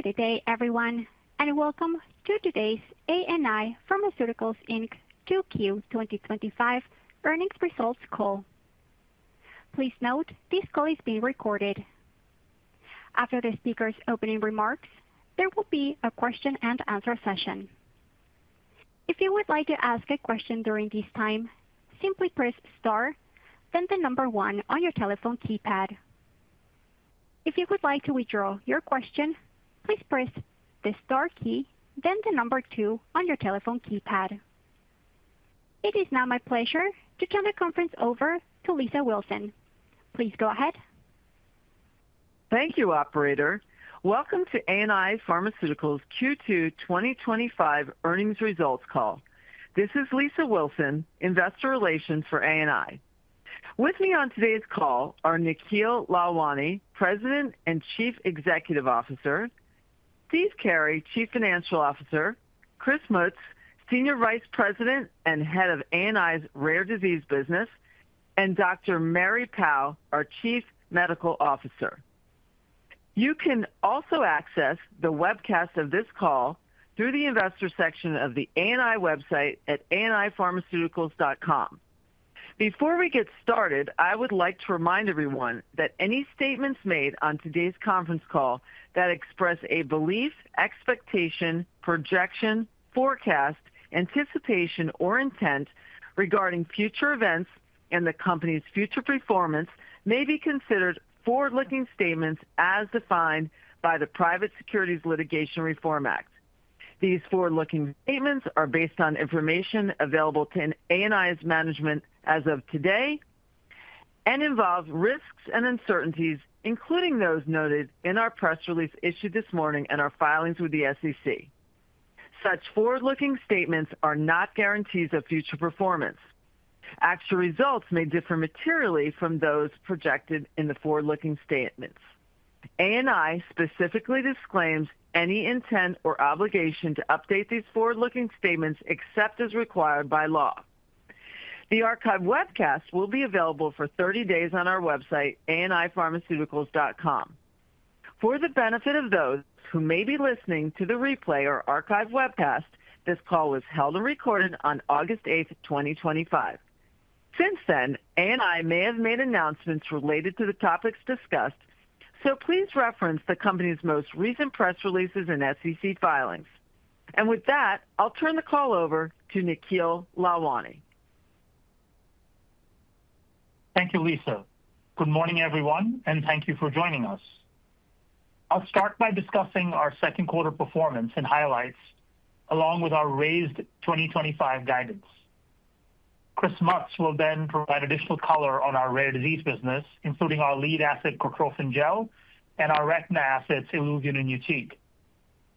Good day, everyone, and welcome to today's ANI Pharmaceuticals, Inc. Q2 2025 Earnings Results Call. Please note this call is being recorded. After the speakers' opening remarks, there will be a question-and-answer session. If you would like to ask a question during this time, simply press star, then the number one on your telephone keypad. If you would like to withdraw your question, please press the star key, then the number two on your telephone keypad. It is now my pleasure to turn the conference over to Lisa Wilson. Please go ahead. Thank you, operator. Welcome to ANI Pharmaceuticals Q2 2025 Earnings Results Call. This is Lisa Wilson, Investor Relations for ANI. With me on today's call are Nikhil Lalwani, President and Chief Executive Officer, Steve Carey, Chief Financial Officer, Chris Mutz, Senior Vice President and Head of Rare Disease at ANI Pharmaceuticals, and Dr. Mary Pau, our Chief Medical Officer. You can also access the webcast of this call through the Investor section of the ANI Pharmaceuticals website at anipharmaceuticals.com. Before we get started, I would like to remind everyone that any statements made on today's conference call that express a belief, expectation, projection, forecast, anticipation, or intent regarding future events and the company's future performance may be considered forward-looking statements as defined by the Private Securities Litigation Reform Act. These forward-looking statements are based on information available to ANI Pharmaceuticals management as of today and involve risks and uncertainties, including those noted in our press release issued this morning and our filings with the SEC. Such forward-looking statements are not guarantees of future performance. Actual results may differ materially from those projected in the forward-looking statements. ANI Pharmaceuticals specifically disclaims any intent or obligation to update these forward-looking statements except as required by law. The archived webcast will be available for 30 days on our website, anipharmaceuticals.com. For the benefit of those who may be listening to the replay or archived webcast, this call was held and recorded on August 8, 2025. Since then, ANI Pharmaceuticals may have made announcements related to the topics discussed, so please reference the company's most recent press releases and SEC filings. I'll turn the call over to Nikhil Lalwani. Thank you, Lisa. Good morning, everyone, and thank you for joining us. I'll start by discussing our second quarter performance and highlights, along with our raised 2025 guidance. Chris Mutz will then provide additional color on our rare disease business, including our lead asset, Purified Cortrophin Gel, and our retina assets, ILUVIEN, and YUTIQ.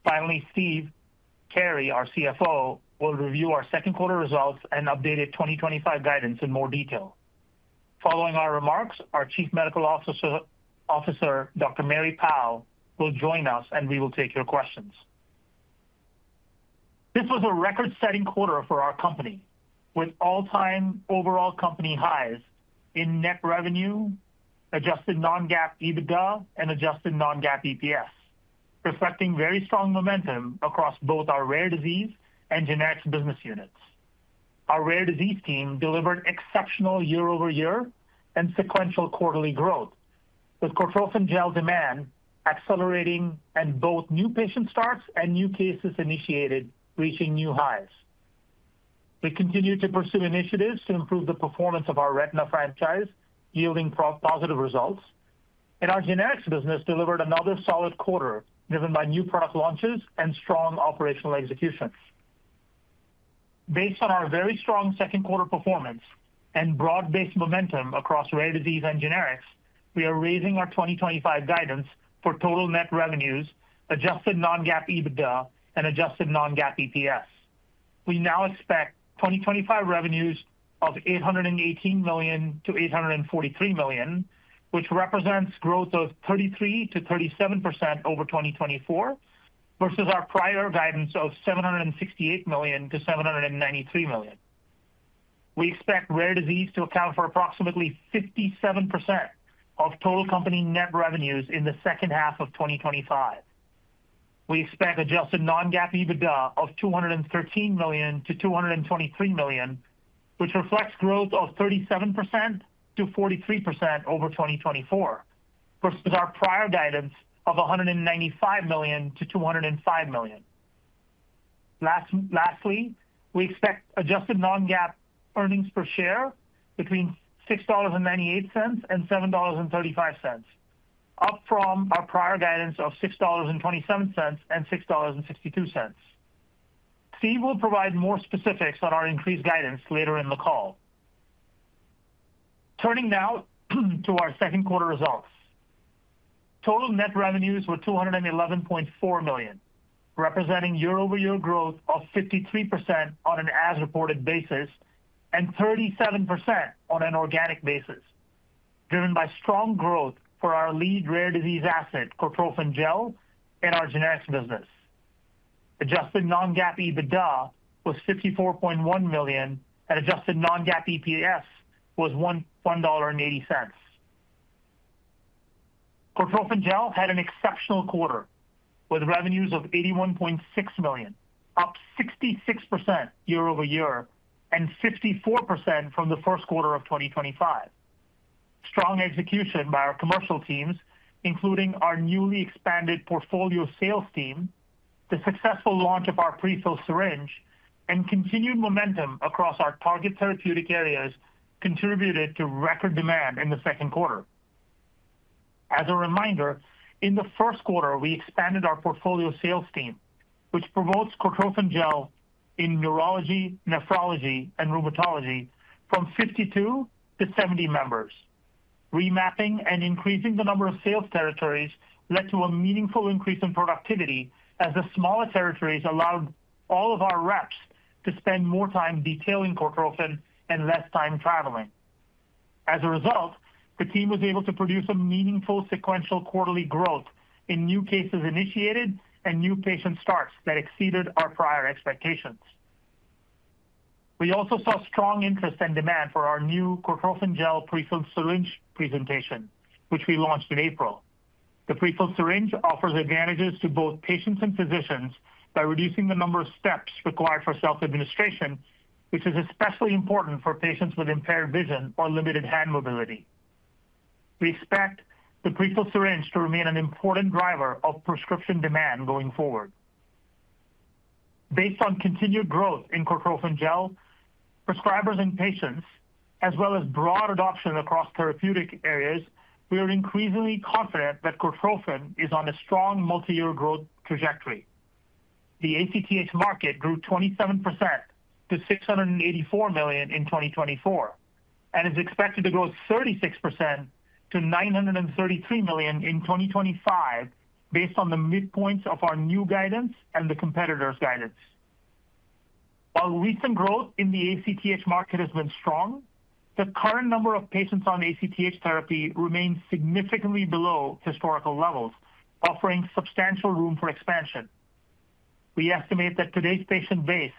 Finally, Steve Carey, our CFO, will review our second quarter results and updated 2025 guidance in more detail. Following our remarks, our Chief Medical Officer, Dr. Mary Pau, will join us, and we will take your questions. This was a record-setting quarter for our company, with all-time overall company highs in net revenue, adjusted non-GAAP EBITDA, and adjusted non-GAAP EPS, reflecting very strong momentum across both our rare disease and generics business units. Our rare disease team delivered exceptional year-over-year and sequential quarterly growth, with Purified Cortrophin Gel demand accelerating and both new patient starts and new cases initiated reaching new highs. We continue to pursue initiatives to improve the performance of our retina franchise, yielding positive results. Our generics business delivered another solid quarter, driven by new product launches and strong operational execution. Based on our very strong second quarter performance and broad-based momentum across rare disease and generics, we are raising our 2025 guidance for total net revenues, adjusted non-GAAP EBITDA, and adjusted non-GAAP EPS. We now expect 2025 revenues of $818 million-$843 million, which represents growth of 33%-37% over 2024, versus our prior guidance of $768 million-$793 million. We expect rare disease to account for approximately 57% of total company net revenues in the second half of 2025. We expect adjusted non-GAAP EBITDA of $213 million-$223 million, which reflects growth of 37%-43% over 2024, versus our prior guidance of $195 million-$205 million. Lastly, we expect adjusted non-GAAP earnings per share between $6.98 and $7.35, up from our prior guidance of $6.27 and $6.62. Steve will provide more specifics on our increased guidance later in the call. Turning now to our second quarter results. Total net revenues were $211.4 million, representing year-over-year growth of 53% on an as-reported basis and 37% on an organic basis, driven by strong growth for our lead rare disease asset, Purified Cortrophin Gel, and our generics business. Adjusted non-GAAP EBITDA was $54.1 million, and adjusted non-GAAP EPS was $1.80. Purified Cortrophin Gel had an exceptional quarter with revenues of $81.6 million, up 66% year-over-year and 54% from the first quarter of 2025. Strong execution by our commercial teams, including our newly expanded portfolio sales team, the successful launch of our pre-filled syringe, and continued momentum across our target therapeutic areas contributed to record demand in the second quarter. As a reminder, in the first quarter, we expanded our portfolio sales team, which promotes Purified Cortrophin Gel in neurology, nephrology, and rheumatology from 52 to 70 members. Remapping and increasing the number of sales territories led to a meaningful increase in productivity as the smaller territories allowed all of our reps to spend more time detailing Cortrophin and less time traveling. As a result, the team was able to produce a meaningful sequential quarterly growth in new cases initiated and new patient starts that exceeded our prior expectations. We also saw strong interest and demand for our new Purified Cortrophin Gel pre-filled syringe presentation, which we launched in April. The pre-filled syringe offers advantages to both patients and physicians by reducing the number of steps required for self-administration, which is especially important for patients with impaired vision or limited hand mobility. We expect the pre-filled syringe to remain an important driver of prescription demand going forward. Based on continued growth in Purified Cortrophin Gel, prescribers, and patients, as well as broad adoption across therapeutic areas, we are increasingly confident that Cortrophin is on a strong multi-year growth trajectory. The ACTH market grew 27% to $684 million in 2024 and is expected to grow 36% to $933 million in 2025 based on the midpoints of our new guidance and the competitor's guidance. While recent growth in the ACTH market has been strong, the current number of patients on ACTH therapy remains significantly below historical levels, offering substantial room for expansion. We estimate that today's patient base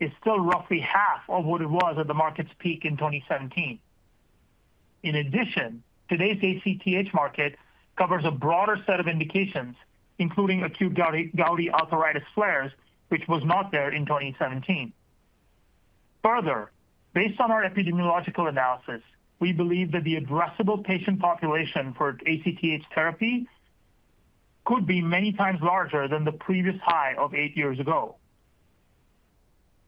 is still roughly half of what it was at the market's peak in 2017. In addition, today's ACTH market covers a broader set of indications, including acute gouty arthritis flares, which was not there in 2017. Further, based on our epidemiological analysis, we believe that the addressable patient population for ACTH therapy could be many times larger than the previous high of eight years ago.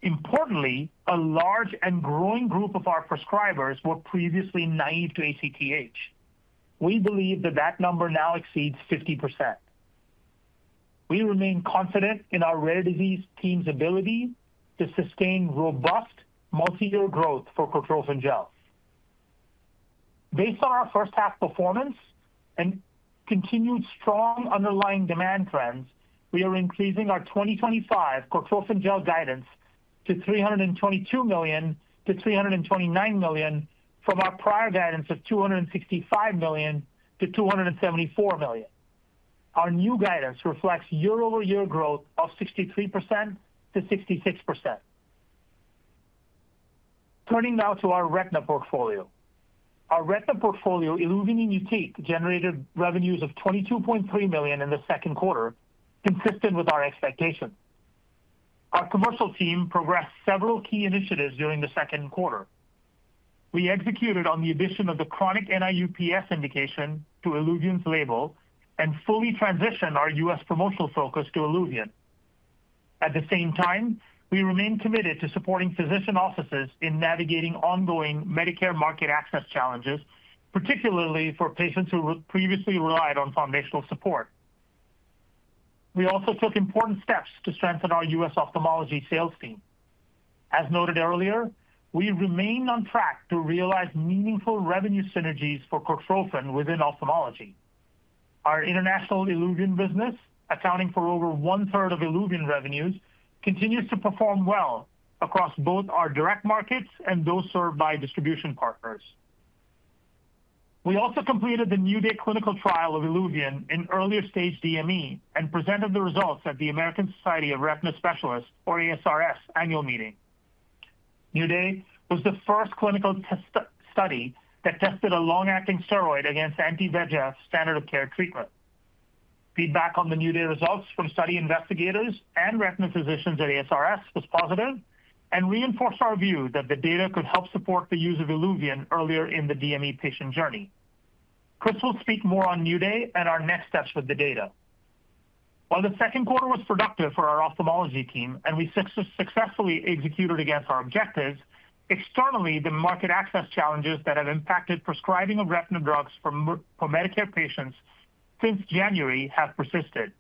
Importantly, a large and growing group of our prescribers were previously naive to ACTH. We believe that that number now exceeds 50%. We remain confident in our rare disease team's ability to sustain robust multi-year growth for Purified Cortrophin Gel. Based on our first half performance and continued strong underlying demand trends, we are increasing our 2025 Purified Cortrophin Gel guidance to $322 million to $329 million from our prior guidance of $265 million to $274 million. Our new guidance reflects year-over-year growth of 63%-66%. Turning now to our retina portfolio. Our retina portfolio, ILUVIEN and YUTIQ, generated revenues of $22.3 million in the second quarter, consistent with our expectations. Our commercial team progressed several key initiatives during the second quarter. We executed on the addition of the chronic NIU-PS indication to ILUVIEN's label and fully transitioned our U.S. commercial focus to ILUVIEN. At the same time, we remain committed to supporting physician offices in navigating ongoing Medicare market access challenges, particularly for patients who previously relied on foundational support. We also took important steps to strengthen our U.S. ophthalmology sales team. As noted earlier, we remain on track to realize meaningful revenue synergies for Purified Cortrophin Gel within ophthalmology. Our international ILUVIEN business, accounting for over one-third of ILUVIEN revenues, continues to perform well across both our direct markets and those served by distribution partners. We also completed the NuDay clinical trial of ILUVIEN in earlier-stage DME and presented the results at the American Society of Retina Specialists, or ASRS, annual meeting. NuDay was the first clinical study that tested a long-acting steroid against anti-VEGF standard-of-care treatment. Feedback on the NuDay results from study investigators and retina physicians at ASRS was positive and reinforced our view that the data could help support the use of ILUVIEN earlier in the DME patient journey. Chris will speak more on NuDay and our next steps with the data. While the second quarter was productive for our ophthalmology team and we successfully executed against our objectives, externally, the market access challenges that have impacted prescribing of retina drugs for Medicare patients since January have persisted.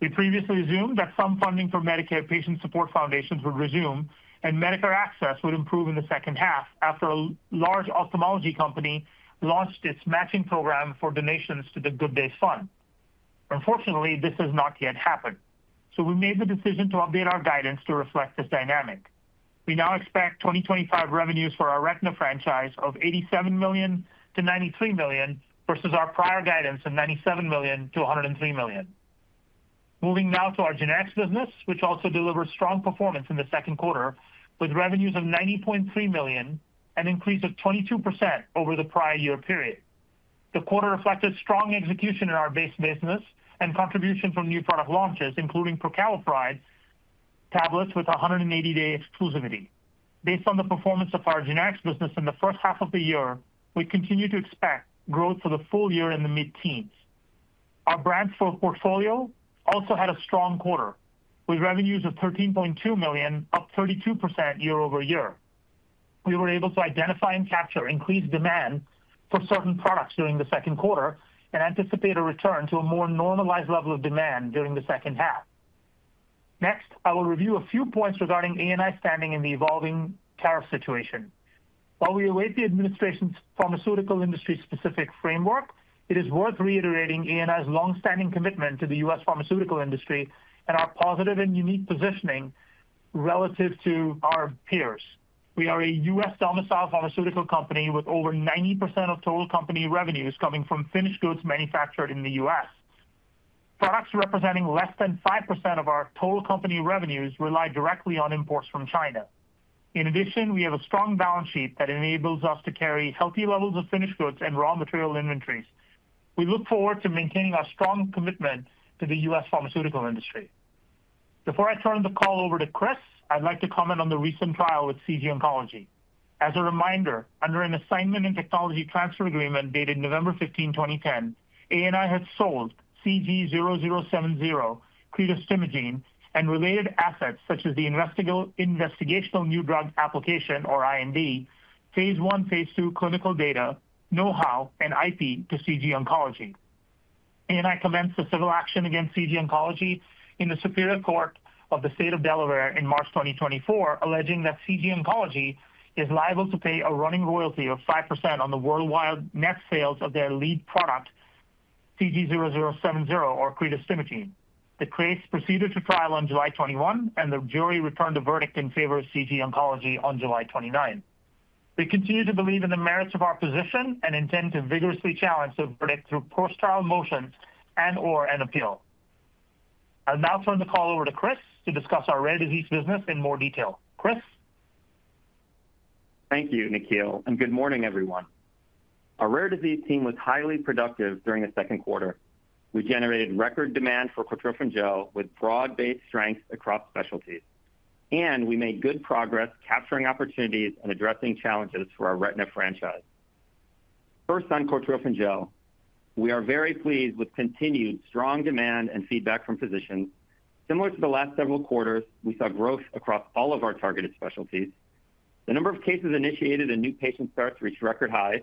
We previously assumed that some funding for Medicare patient support foundations would resume and Medicare access would improve in the second half after a large ophthalmology company launched its matching program for donations to the Good Days Fund. Unfortunately, this has not yet happened. We made the decision to update our guidance to reflect this dynamic. We now expect 2025 revenues for our retina franchise of $87 million-$93 million versus our prior guidance of $97 million-$103 million. Moving now to our generics business, which also delivered strong performance in the second quarter with revenues of $90.3 million and an increase of 22% over the prior year period. The quarter reflected strong execution in our base business and contribution from new product launches, including prucalopride tablets with 180-day exclusivity. Based on the performance of our generics business in the first half of the year, we continue to expect growth for the full year in the mid-teens. Our brand store portfolio also had a strong quarter with revenues of $13.2 million, up 32% year-over-year. We were able to identify and capture increased demand for certain products during the second quarter and anticipate a return to a more normalized level of demand during the second half. Next, I will review a few points regarding ANI's standing in the evolving tariff situation. While we await the administration's pharmaceutical industry-specific framework, it is worth reiterating ANI's longstanding commitment to the U.S. pharmaceutical industry and our positive and unique positioning relative to our peers. We are a U.S.-domiciled pharmaceutical company with over 90% of total company revenues coming from finished goods manufactured in the United States. Products representing less than 5% of our total company revenues rely directly on imports from China. In addition, we have a strong balance sheet that enables us to carry healthy levels of finished goods and raw material inventories. We look forward to maintaining our strong commitment to the U.S. pharmaceutical industry. Before I turn the call over to Chris, I'd like to comment on the recent trial with CG Oncology. As a reminder, under an assignment and technology transfer agreement dated November 15, 2010, ANI had sold CG0070 CREDUS [Temagene] and related assets such as the investigational new drug application, or IND, phase one, phase two clinical data, know-how, and IP to CG Oncology. ANI commenced a civil action against CG Oncology in the Superior Court of the State of Delaware in March 2024, alleging that CG Oncology is liable to pay a running royalty of 5% on the worldwide net sales of their lead product, CG0070 or CREDUS Temagene. The case proceeded to trial on July 21, and the jury returned the verdict in favor of CG Oncology on July 29. We continue to believe in the merits of our position and intend to vigorously challenge the verdict through post-trial motions and/or an appeal. I'll now turn the call over to Chris to discuss our rare disease business in more detail. Chris? Thank you, Nikhil, and good morning, everyone. Our rare disease team was highly productive during the second quarter. We generated record demand for Purified Cortrophin Gel with broad-based strengths across specialties. We made good progress capturing opportunities and addressing challenges for our retina franchise. First on Purified Cortrophin Gel, we are very pleased with continued strong demand and feedback from physicians. Similar to the last several quarters, we saw growth across all of our targeted specialties. The number of cases initiated and new patient starts reached record highs.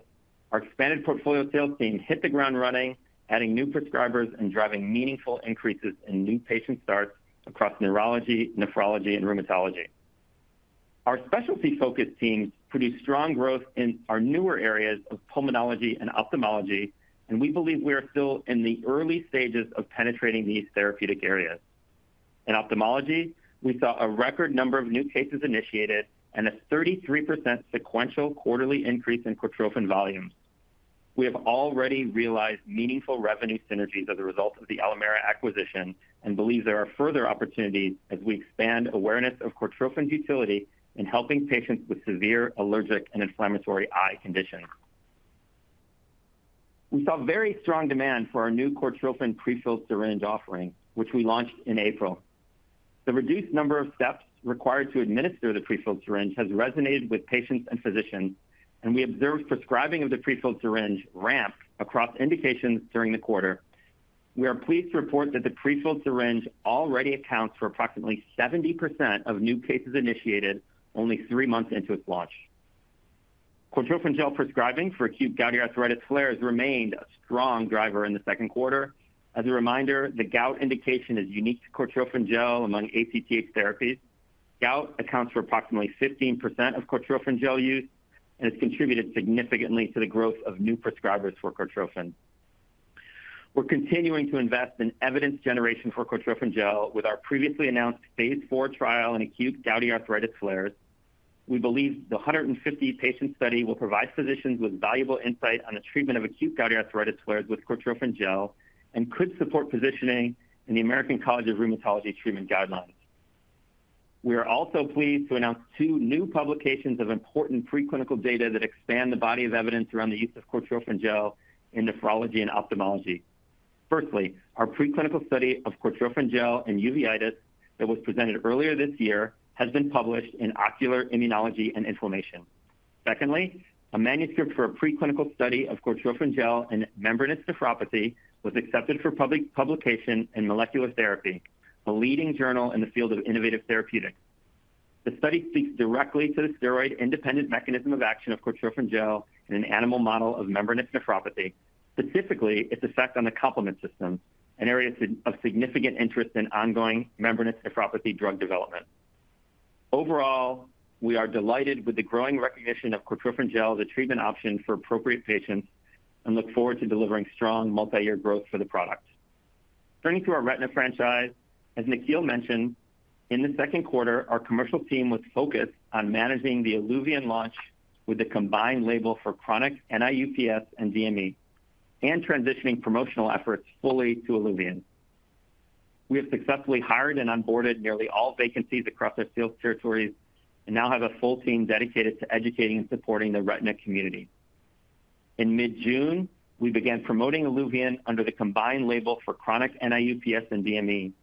Our expanded portfolio sales team hit the ground running, adding new prescribers and driving meaningful increases in new patient starts across neurology, nephrology, and rheumatology. Our specialty-focused teams produced strong growth in our newer areas of pulmonology and ophthalmology, and we believe we are still in the early stages of penetrating these therapeutic areas. In ophthalmology, we saw a record number of new cases initiated and a 33% sequential quarterly increase in Purified Cortrophin Gel volumes. We have already realized meaningful revenue synergies as a result of the Alimera Sciences acquisition and believe there are further opportunities as we expand awareness of Purified Cortrophin Gel's utility in helping patients with severe allergic and inflammatory eye conditions. We saw very strong demand for our new Purified Cortrophin Gel pre-filled syringe offering, which we launched in April. The reduced number of steps required to administer the pre-filled syringe has resonated with patients and physicians, and we observed prescribing of the pre-filled syringe ramped across indications during the quarter. We are pleased to report that the pre-filled syringe already accounts for approximately 70% of new cases initiated only three months into its launch. Purified Cortrophin Gel prescribing for acute gouty arthritis flares remained a strong driver in the second quarter. As a reminder, the gout indication is unique to Purified Cortrophin Gel among ACTH therapies. Gout accounts for approximately 15% of Purified Cortrophin Gel use and has contributed significantly to the growth of new prescribers for Purified Cortrophin Gel. We're continuing to invest in evidence generation for Purified Cortrophin Gel with our previously announced phase four trial in acute gouty arthritis flares. We believe the 150-patient study will provide physicians with valuable insight on the treatment of acute gouty arthritis flares with Purified Cortrophin Gel and could support positioning in the American College of Rheumatology treatment guidelines. We are also pleased to announce two new publications of important preclinical data that expand the body of evidence around the use of Purified Cortrophin Gel in nephrology and ophthalmology. Firstly, our preclinical study of Purified Cortrophin Gel in uveitis that was presented earlier this year has been published in Ocular Immunology and Inflammation. Secondly, a manuscript for a preclinical study of Purified Cortrophin Gel in membranous nephropathy was accepted for publication in Molecular Therapy, a leading journal in the field of innovative therapeutics. The study speaks directly to the steroid-independent mechanism of action of Purified Cortrophin Gel in an animal model of membranous nephropathy, specifically its effect on the complement system, an area of significant interest in ongoing membranous nephropathy drug development. Overall, we are delighted with the growing recognition of Purified Cortrophin Gel as a treatment option for appropriate patients and look forward to delivering strong multi-year growth for the product. Turning to our retina franchise, as Nikhil mentioned, in the second quarter, our commercial team was focused on managing the ILUVIEN launch with the combined label for chronic NIU-PS and DME and transitioning promotional efforts fully to ILUVIEN. We have successfully hired and onboarded nearly all vacancies across our sales territories and now have a full team dedicated to educating and supporting the retina community. In mid-June, we began promoting ILUVIEN under the combined label for chronic NIU-PS and DME,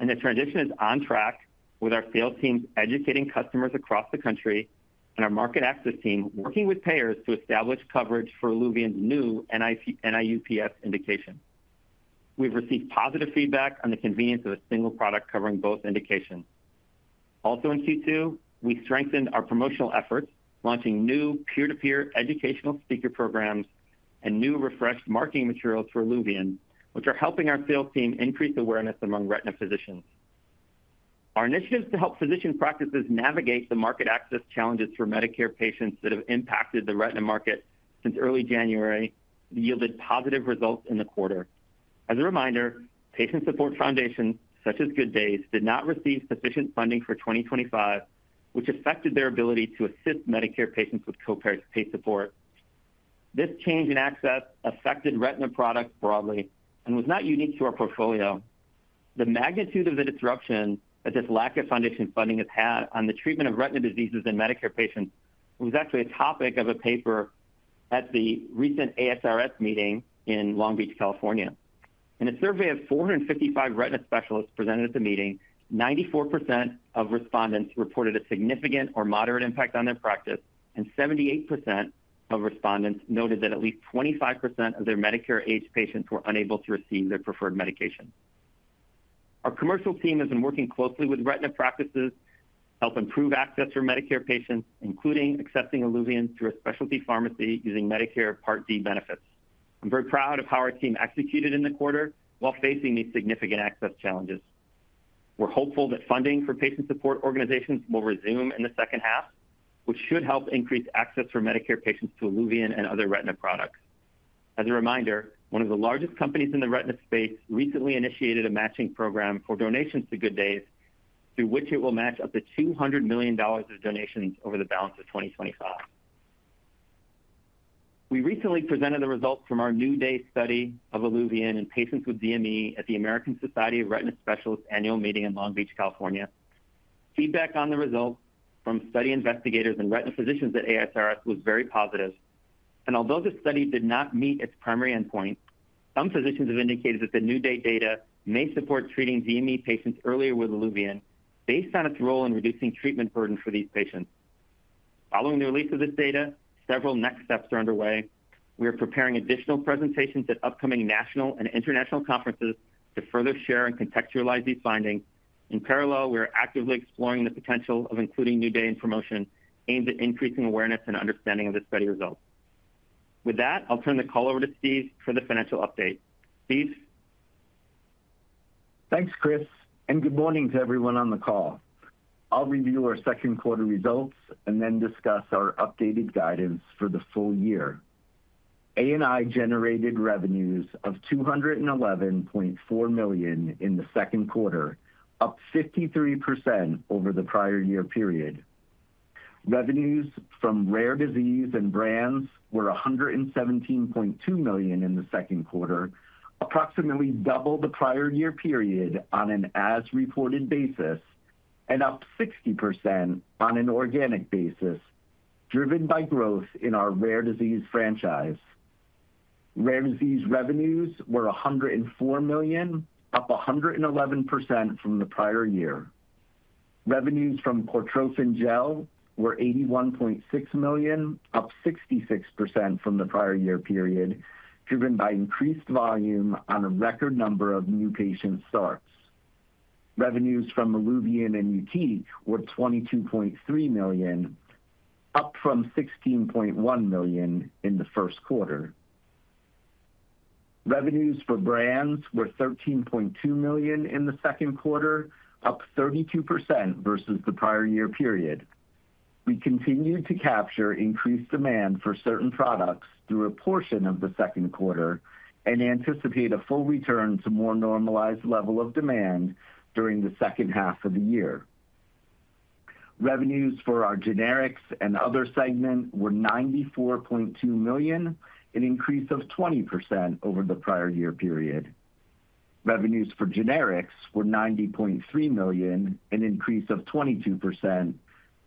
and the transition is on track with our sales teams educating customers across the country and our market access team working with payers to establish coverage for ILUVIEN's new NIU-PS indication. We've received positive feedback on the convenience of a single product covering both indications. Also in Q2, we strengthened our promotional efforts, launching new peer-to-peer educational speaker programs and new refreshed marketing materials for ILUVIEN, which are helping our sales team increase awareness among retina physicians. Our initiatives to help physician practices navigate the market access challenges for Medicare patients that have impacted the retina market since early January yielded positive results in the quarter. As a reminder, patient support foundations, such as Good Days, did not receive sufficient funding for 2025, which affected their ability to assist Medicare patients with co-pay support. This change in access affected retina products broadly and was not unique to our portfolio. The magnitude of the disruption that this lack of foundation funding has had on the treatment of retina diseases in Medicare patients was actually a topic of a paper at the recent ASRS meeting in Long Beach, California. In a survey of 455 retina specialists presented at the meeting, 94% of respondents reported a significant or moderate impact on their practice, and 78% of respondents noted that at least 25% of their Medicare-age patients were unable to receive their preferred medication. Our commercial team has been working closely with retina practices to help improve access for Medicare patients, including accessing ILUVIEN through a specialty pharmacy using Medicare Part D benefits. I'm very proud of how our team executed in the quarter while facing these significant access challenges. We're hopeful that funding for patient support organizations will resume in the second half, which should help increase access for Medicare patients to ILUVIEN and other retina products. As a reminder, one of the largest companies in the retina space recently initiated a matching program for donations to Good Days, through which it will match up to $200 million of donations over the balance of 2025. We recently presented the results from our NuDay clinical trial of ILUVIEN in patients with DME at the American Society of Retina Specialists annual meeting in Long Beach, California. Feedback on the results from study investigators and retina physicians at ASRS was very positive. Although the study did not meet its primary endpoint, some physicians have indicated that the NuDay data may support treating DME patients earlier with ILUVIEN based on its role in reducing treatment burden for these patients. Following the release of this data, several next steps are underway. We are preparing additional presentations at upcoming national and international conferences to further share and contextualize these findings. In parallel, we are actively exploring the potential of including NuDay in promotion aimed at increasing awareness and understanding of the study results. With that, I'll turn the call over to Steve for the financial update. Steve? Thanks, Chris, and good morning to everyone on the call. I'll review our second quarter results and then discuss our updated guidance for the full year. ANI generated revenues of $211.4 million in the second quarter, up 53% over the prior year period. Revenues from rare disease and brands were $117.2 million in the second quarter, approximately double the prior year period on an as-reported basis and up 60% on an organic basis, driven by growth in our rare disease franchise. Rare disease revenues were $104 million, up 111% from the prior year. Revenues from Purified Cortrophin Gel were $81.6 million, up 66% from the prior year period, driven by increased volume on a record number of new patient starts. Revenues from ILUVIEN and YUTIQ were $22.3 million, up from $16.1 million in the first quarter. Revenues for brands were $13.2 million in the second quarter, up 32% versus the prior year period. We continued to capture increased demand for certain products through a portion of the second quarter and anticipate a full return to a more normalized level of demand during the second half of the year. Revenues for our generics and other segment were $94.2 million, an increase of 20% over the prior year period. Revenues for generics were $90.3 million, an increase of 22%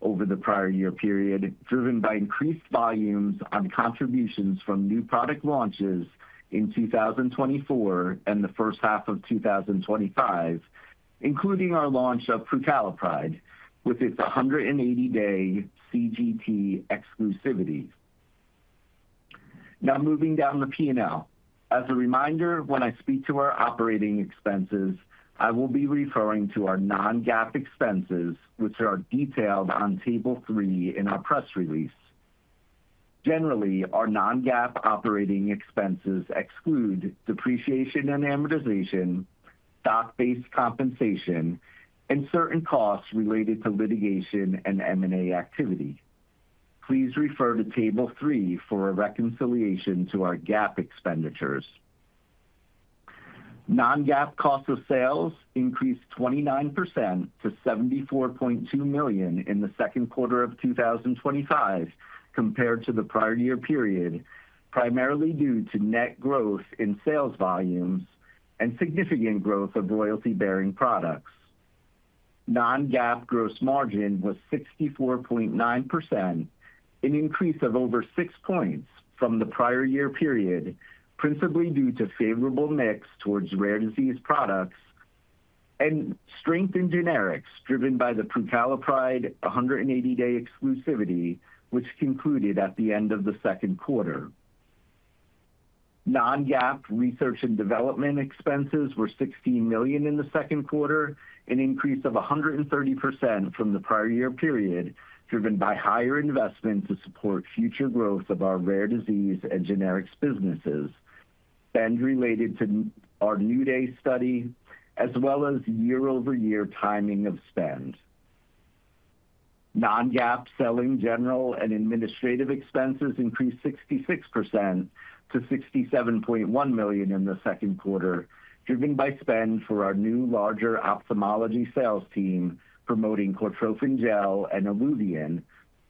over the prior year period, driven by increased volumes on contributions from new product launches in 2024 and the first half of 2025, including our launch of prucalopride tablets with its 180-day exclusivity. Now, moving down the P&L. As a reminder, when I speak to our operating expenses, I will be referring to our non-GAAP expenses, which are detailed on Table 3 in our press release. Generally, our non-GAAP operating expenses exclude depreciation and amortization, stock-based compensation, and certain costs related to litigation and M&A activity. Please refer to Table 3 for a reconciliation to our GAAP expenditures. Non-GAAP cost of sales increased 29% to $74.2 million in the second quarter of 2025 compared to the prior year period, primarily due to net growth in sales volumes and significant growth of royalty-bearing products. Non-GAAP gross margin was 64.9%, an increase of over six points from the prior year period, principally due to favorable mix towards rare disease products and strength in generics driven by the prucalopride tablets 180-day exclusivity, which concluded at the end of the second quarter. Non-GAAP research and development expenses were $16 million in the second quarter, an increase of 130% from the prior year period, driven by higher investment to support future growth of our rare disease and generics businesses, spend related to our NuDay clinical trial, as well as year-over-year timing of spend. Non-GAAP selling, general, and administrative expenses increased 66% to $67.1 million in the second quarter, driven by spend for our new larger ophthalmology sales team promoting Purified Cortrophin Gel and ILUVIEN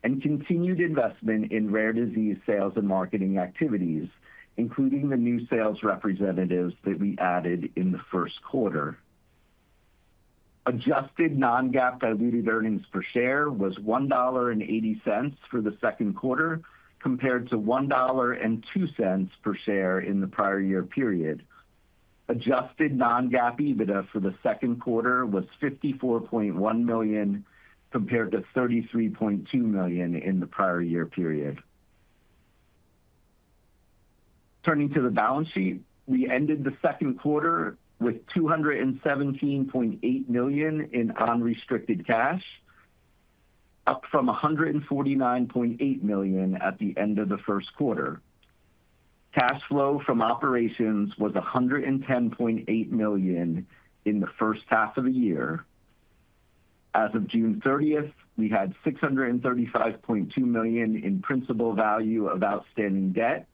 and continued investment in rare disease sales and marketing activities, including the new sales representatives that we added in the first quarter. Adjusted non-GAAP diluted earnings per share was $1.80 for the second quarter compared to $1.02 per share in the prior year period. Adjusted non-GAAP EBITDA for the second quarter was $54.1 million compared to $33.2 million in the prior year period. Turning to the balance sheet, we ended the second quarter with $217.8 million in unrestricted cash, up from $149.8 million at the end of the first quarter. Cash flow from operations was $110.8 million in the first half of the year. As of June 30th, we had $635.2 million in principal value of outstanding debt,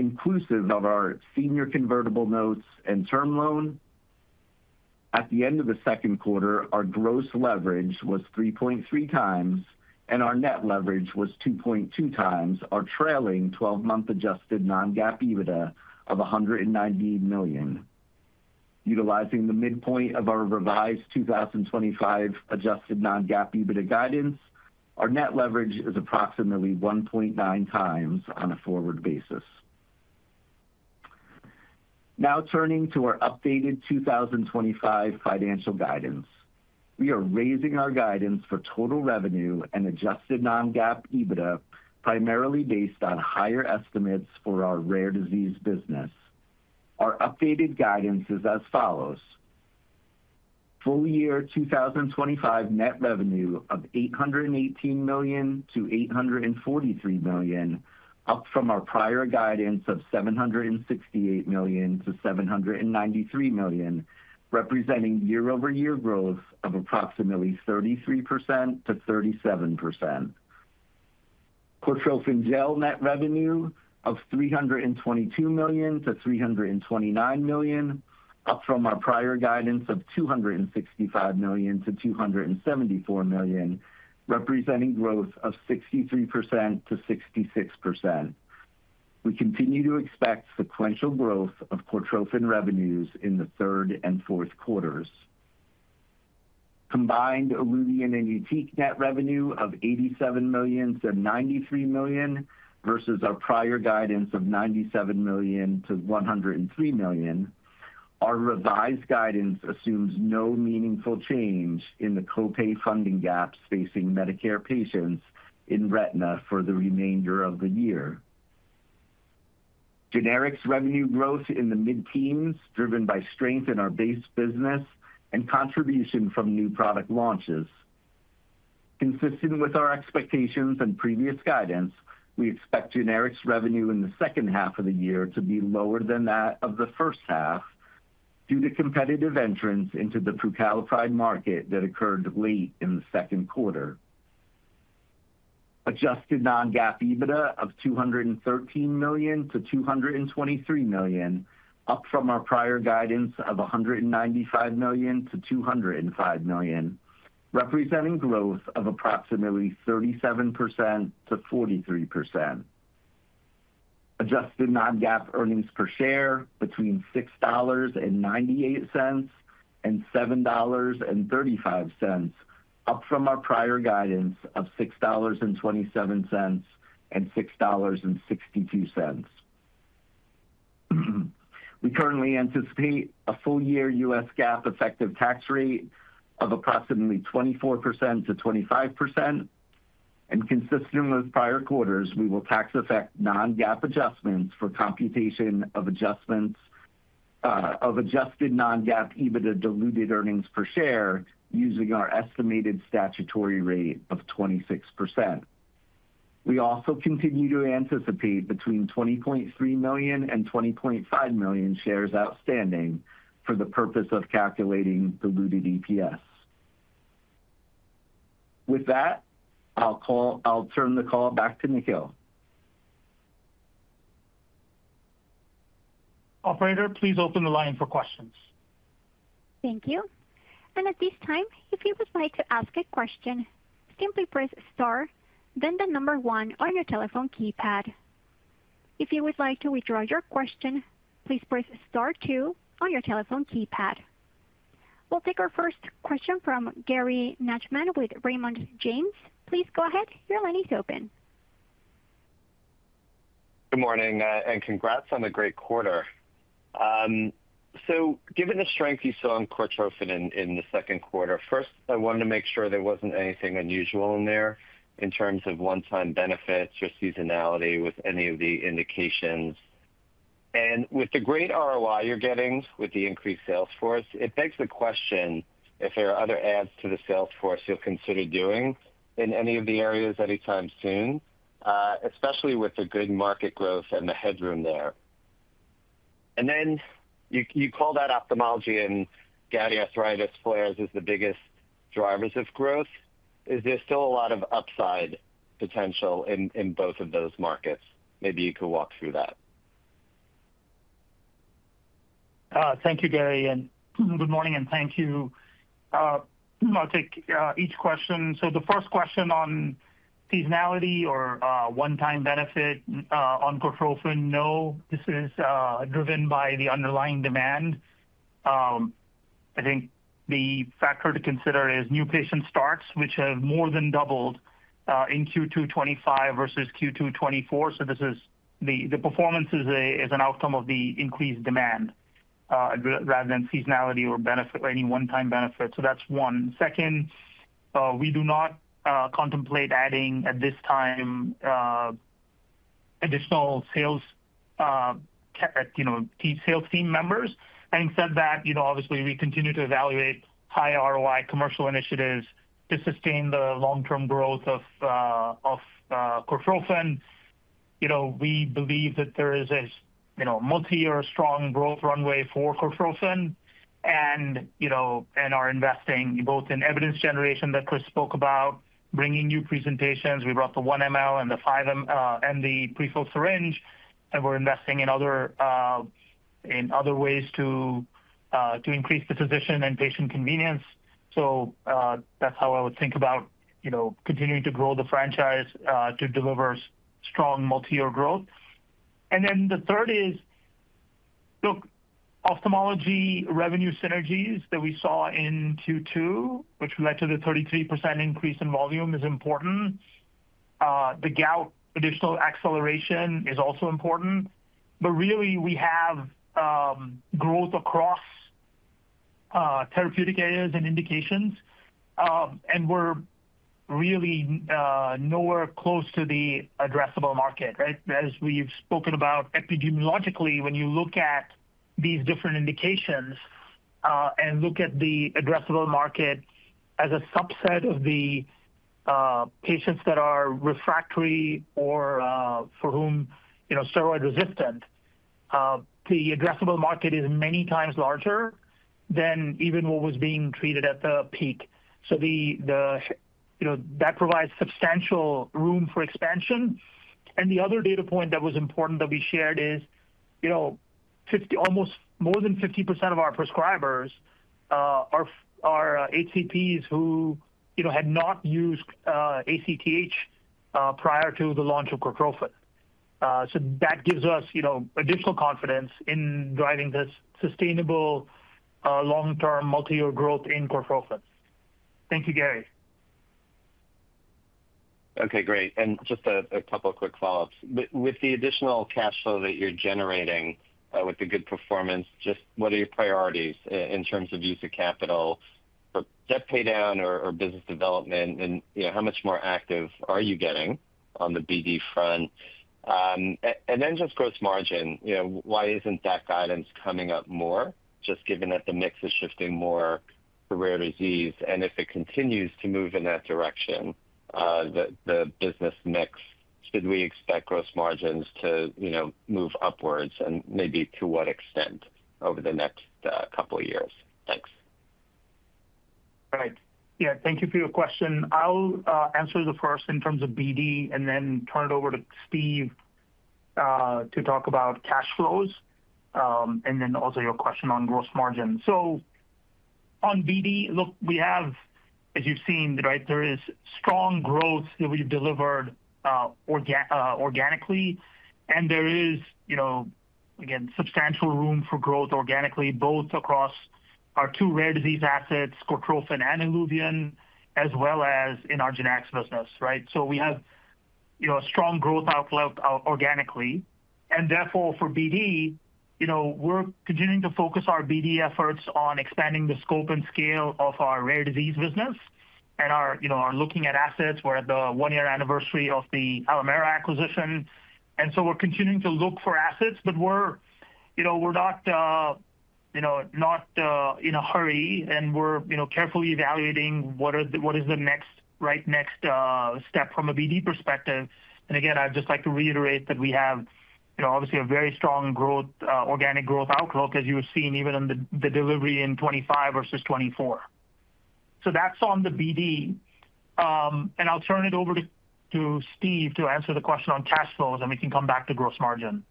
inclusive of our senior convertible notes and term loan. At the end of the second quarter, our gross leverage was 3.3 times, and our net leverage was 2.2 times our trailing 12-month adjusted non-GAAP EBITDA of $198 million. Utilizing the midpoint of our revised 2025 adjusted non-GAAP EBITDA guidance, our net leverage is approximately 1.9 times on a forward basis. Now, turning to our updated 2025 financial guidance. We are raising our guidance for total revenue and adjusted non-GAAP EBITDA, primarily based on higher estimates for our rare disease business. Our updated guidance is as follows: full-year 2025 net revenue of $818 million-$843 million, up from our prior guidance of $768 million-$793 million, representing year-over-year growth of approximately 33%-37%. Purified Cortrophin Gel net revenue of $322 million-$329 million, up from our prior guidance of $265 million-$274 million, representing growth of 63%-66%. We continue to expect sequential growth of Purified Cortrophin Gel revenues in the third and fourth quarters. Combined ILUVIEN and YUTIQ net revenue of $87 million-$93 million versus our prior guidance of $97 million-$103 million, our revised guidance assumes no meaningful change in the co-pay funding gaps facing Medicare patients in retina for the remainder of the year. Generics revenue growth in the mid-teens, driven by strength in our base business and contribution from new product launches. Consistent with our expectations and previous guidance, we expect generics revenue in the second half of the year to be lower than that of the first half due to competitive entrance into the prucalopride market that occurred late in the second quarter. Adjusted non-GAAP EBITDA of $213 million-$223 million, up from our prior guidance of $195 million-$205 million, representing growth of approximately 37%-43%. Adjusted non-GAAP EPS between $6.98 and $7.35, up from our prior guidance of $6.27 and $6.62. We currently anticipate a full-year U.S. GAAP effective tax rate of approximately 24%-25%, and consistent with prior quarters, we will tax effect non-GAAP adjustments for computation of adjusted non-GAAP EBITDA diluted EPS using our estimated statutory rate of 26%. We also continue to anticipate between 20.3 million and 20.5 million shares outstanding for the purpose of calculating diluted EPS. With that, I'll turn the call back to Nikhil. Operator, please open the line for questions. Thank you. At this time, if you would like to ask a question, simply press star, then the number one on your telephone keypad. If you would like to withdraw your question, please press star two on your telephone keypad. We'll take our first question from Gary Nachman with Raymond James. Please go ahead. Your line is open. Good morning and congrats on the great quarter. Given the strength you saw in Purified Cortrophin Gel in the second quarter, first, I wanted to make sure there wasn't anything unusual in there in terms of one-time benefits or seasonality with any of the indications. With the great ROI you're getting with the increased sales force, it begs the question if there are other adds to the sales force you'll consider doing in any of the areas anytime soon, especially with the good market growth and the headroom there. You call out ophthalmology and acute gouty arthritis flares as the biggest drivers of growth. Is there still a lot of upside potential in both of those markets? Maybe you could walk through that. Thank you, Gary, and good morning, and thank you. I'll take each question. The first question on seasonality or one-time benefit on Purified Cortrophin Gel, no, this is driven by the underlying demand. I think the factor to consider is new patient starts, which have more than doubled in Q2 2025 versus Q2 2024. This performance is an outcome of the increased demand rather than seasonality or benefit or any one-time benefit. That's one. Second, we do not contemplate adding at this time additional sales team members. Having said that, obviously, we continue to evaluate high ROI commercial initiatives to sustain the long-term growth of Purified Cortrophin Gel. We believe that there is a multi-year strong growth runway for Purified Cortrophin Gel and are investing both in evidence generation that Chris Mutz spoke about, bringing new presentations. We brought the 1 ml and the 5 ml and the pre-filled syringe, and we're investing in other ways to increase the physician and patient convenience. That's how I would think about continuing to grow the franchise to deliver strong multi-year growth. The third is, ophthalmology revenue synergies that we saw in Q2, which led to the 33% increase in volume, is important. The gout additional acceleration is also important. Really, we have growth across therapeutic areas and indications, and we're really nowhere close to the addressable market. As we've spoken about epidemiologically, when you look at these different indications and look at the addressable market as a subset of the patients that are refractory or for whom steroid resistant, the addressable market is many times larger than even what was being treated at the peak. That provides substantial room for expansion. The other data point that was important that we shared is, almost more than 50% of our prescribers are HCPs who had not used ACTH prior to the launch of Purified Cortrophin Gel. That gives us additional confidence in driving this sustainable long-term multi-year growth in Purified Cortrophin Gel. Thank you, Gary. Okay, great. Just a couple of quick follow-ups. With the additional cash flow that you're generating with the good performance, what are your priorities in terms of use of capital for debt paydown or business development? How much more active are you getting on the BD front? Just gross margin, why isn't that guidance coming up more, given that the mix is shifting more for rare disease? If it continues to move in that direction, the business mix, should we expect gross margins to move upwards and maybe to what extent over the next couple of years? Thanks. Right. Yeah, thank you for your question. I'll answer the first in terms of BD and then turn it over to Steve to talk about cash flows and then also your question on gross margin. On BD, look, as you've seen, there is strong growth that we've delivered organically. There is, you know, again, substantial room for growth organically, both across our two rare disease assets, Purified Cortrophin Gel and ILUVIEN, as well as in our generics business, right? We have, you know, a strong growth outlook organically. Therefore, for BD, we're continuing to focus our BD efforts on expanding the scope and scale of our rare disease business and are, you know, looking at assets. We're at the one-year anniversary of the Alimera Sciences acquisition. We're continuing to look for assets, but we're not in a hurry and we're, you know, carefully evaluating what is the next, right, next step from a BD perspective. Again, I'd just like to reiterate that we have, you know, obviously a very strong organic growth outlook, as you were seeing even in the delivery in 2025 versus 2024. That's on the BD. I'll turn it over to Steve to answer the question on cash flows, and we can come back to gross margin.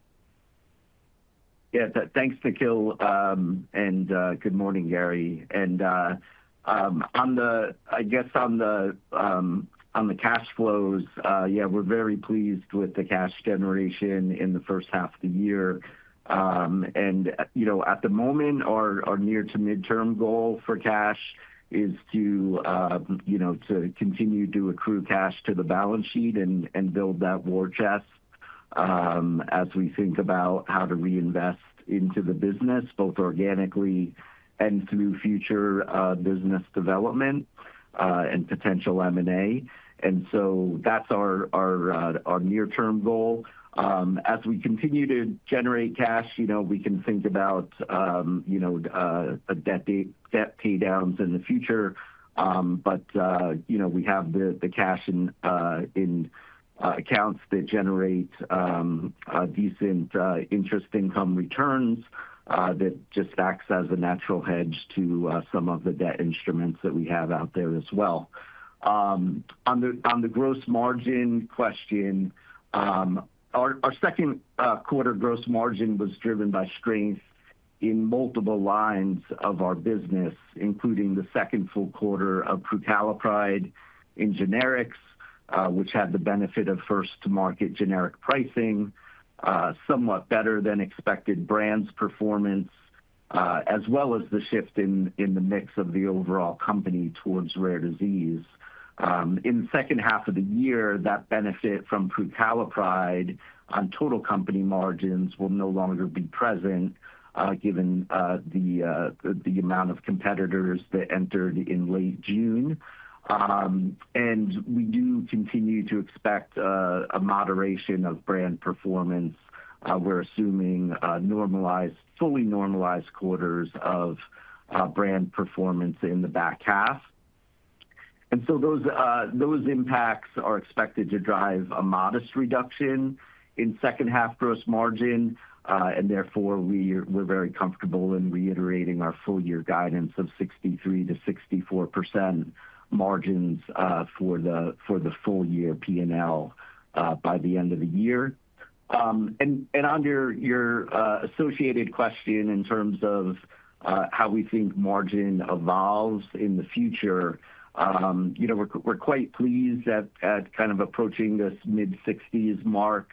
Yeah, thanks, Nikhil, and good morning, Gary. On the cash flows, we're very pleased with the cash generation in the first half of the year. At the moment, our near to midterm goal for cash is to continue to accrue cash to the balance sheet and build that war chest as we think about how to reinvest into the business, both organically and through future business development and potential M&A. That's our near-term goal. As we continue to generate cash, we can think about debt paydowns in the future. We have the cash in accounts that generate decent interest income returns that just acts as a natural hedge to some of the debt instruments that we have out there as well. On the gross margin question, our second quarter gross margin was driven by strength in multiple lines of our business, including the second full quarter of prucalopride in generics, which had the benefit of first-to-market generic pricing, somewhat better than expected brands' performance, as well as the shift in the mix of the overall company towards rare disease. In the second half of the year, that benefit from prucalopride on total company margins will no longer be present, given the amount of competitors that entered in late June. We do continue to expect a moderation of brand performance. We're assuming fully normalized quarters of brand performance in the back half. Those impacts are expected to drive a modest reduction in second-half gross margin. Therefore, we're very comfortable in reiterating our full-year guidance of 63%-64% margins for the full-year P&L by the end of the year. On your associated question in terms of how we think margin evolves in the future, we're quite pleased at kind of approaching this mid-60s mark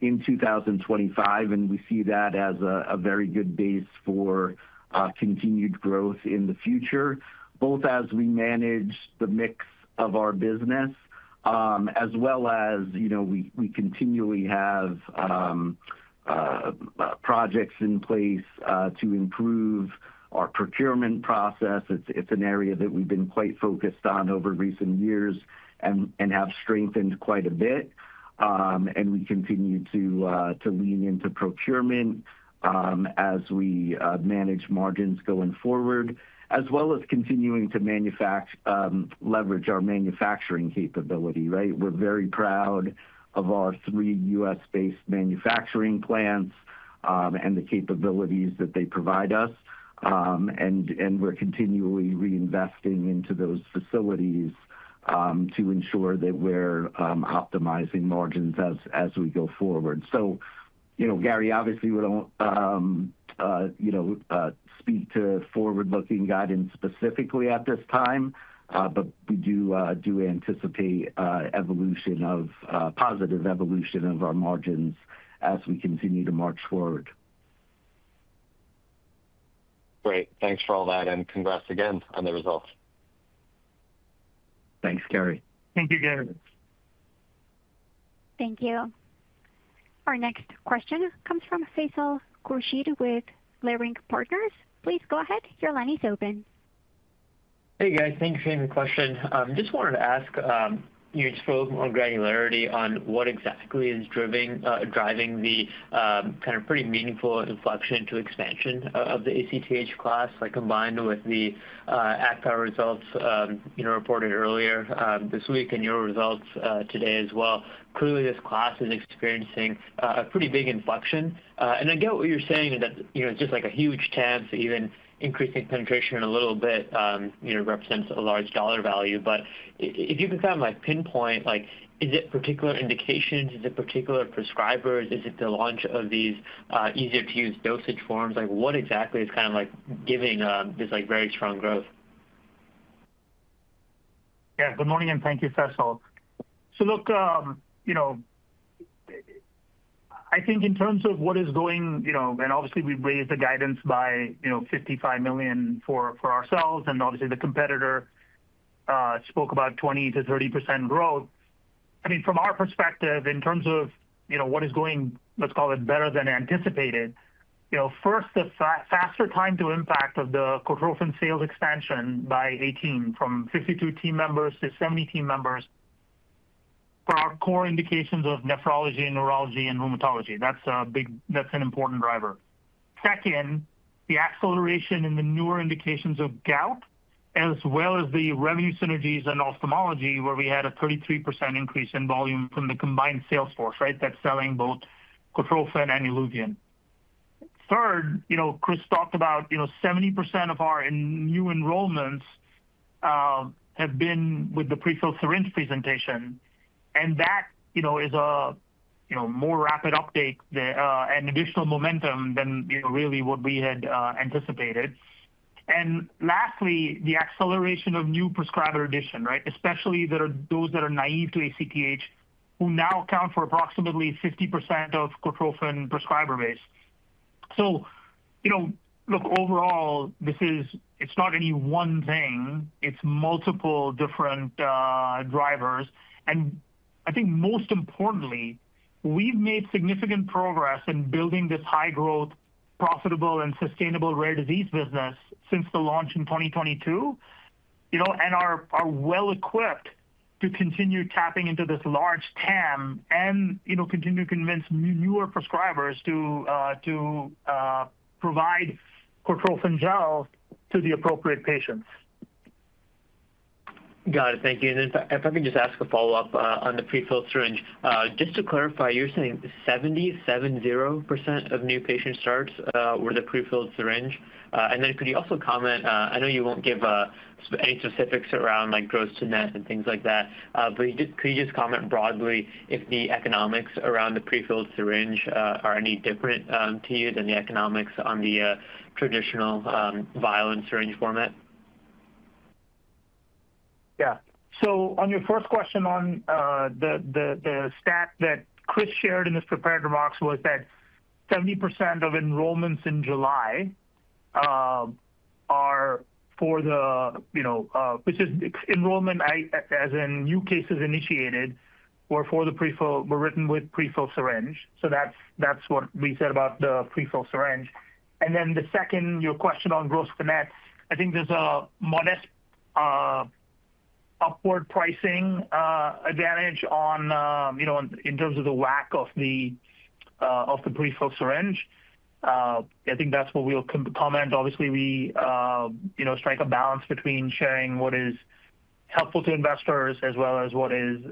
in 2025. We see that as a very good base for continued growth in the future, both as we manage the mix of our business as well as we continually have projects in place to improve our procurement process. It's an area that we've been quite focused on over recent years and have strengthened quite a bit. We continue to lean into procurement as we manage margins going forward, as well as continuing to leverage our manufacturing capability, right? We're very proud of our three U.S.-based manufacturing plants and the capabilities that they provide us. We're continually reinvesting into those facilities to ensure that we're optimizing margins as we go forward. Gary, obviously, we don't speak to forward-looking guidance specifically at this time, but we do anticipate positive evolution of our margins as we continue to march forward. Great. Thanks for all that, and congrats again on the result. Thanks, Gary. Thank you, Gary. Thank you. Our next question comes from Faisal Khurshid with Leerink Partners. Please go ahead. Your line is open. Hey, guys. Thanks for the question. I just wanted to ask, you spoke on granularity on what exactly is driving the kind of pretty meaningful inflection to expansion of the ACTH class, like combined with the ACPA results reported earlier this week and your results today as well. Clearly, this class is experiencing a pretty big inflection. I get what you're saying is that, you know, it's just like a huge chance that even increasing penetration a little bit, you know, represents a large dollar value. If you can kind of like pinpoint, like, is it particular indications? Is it particular prescribers? Is it the launch of these easier-to-use dosage forms? What exactly is kind of like giving this like very strong growth? Good morning and thank you, Faisal. I think in terms of what is going, and obviously we raised the guidance by $55 million for ourselves. Obviously, the competitor spoke about 20%-30% growth. From our perspective, in terms of what is going, let's call it better than anticipated, first, the faster time to impact of the Purified Cortrophin Gel sales expansion by increasing from 52 team members to 70 team members for our core indications of nephrology, neurology, and rheumatology. That's a big, that's an important driver. Second, the acceleration in the newer indications of acute gouty arthritis flares, as well as the revenue synergies in ophthalmology, where we had a 33% increase in volume from the combined sales force that's selling both Purified Cortrophin Gel and ILUVIEN. Third, Chris Mutz talked about 70% of our new enrollments have been with the pre-filled syringe presentation. That is a more rapid update and additional momentum than really what we had anticipated. Lastly, the acceleration of new prescriber addition, especially those that are naive to ACTH, who now account for approximately 50% of the Purified Cortrophin Gel prescriber base. Overall, this is not any one thing. It's multiple different drivers. Most importantly, we've made significant progress in building this high-growth, profitable, and sustainable rare disease business since the launch in 2022 and are well-equipped to continue tapping into this large TAM and continue to convince newer prescribers to provide Purified Cortrophin Gel to the appropriate patients. Got it. Thank you. If I could just ask a follow-up on the pre-filled syringe, just to clarify, you're saying 70% of new patient starts with a pre-filled syringe. Could you also comment, I know you won't give any specifics around like gross to net and things like that, but could you just comment broadly if the economics around the pre-filled syringe are any different to you than the economics on the traditional vial and syringe format? Yeah. On your first question, the stat that Chris Mutz shared in his prepared remarks was that 70% of enrollments in July, which is enrollment as in new cases initiated, were written with pre-filled syringe. That's what we said about the pre-filled syringe. On your question on gross to net, I think there's a modest upward pricing advantage in terms of the WAC of the pre-filled syringe. I think that's what we'll comment. Obviously, we strike a balance between sharing what is helpful to investors as well as what is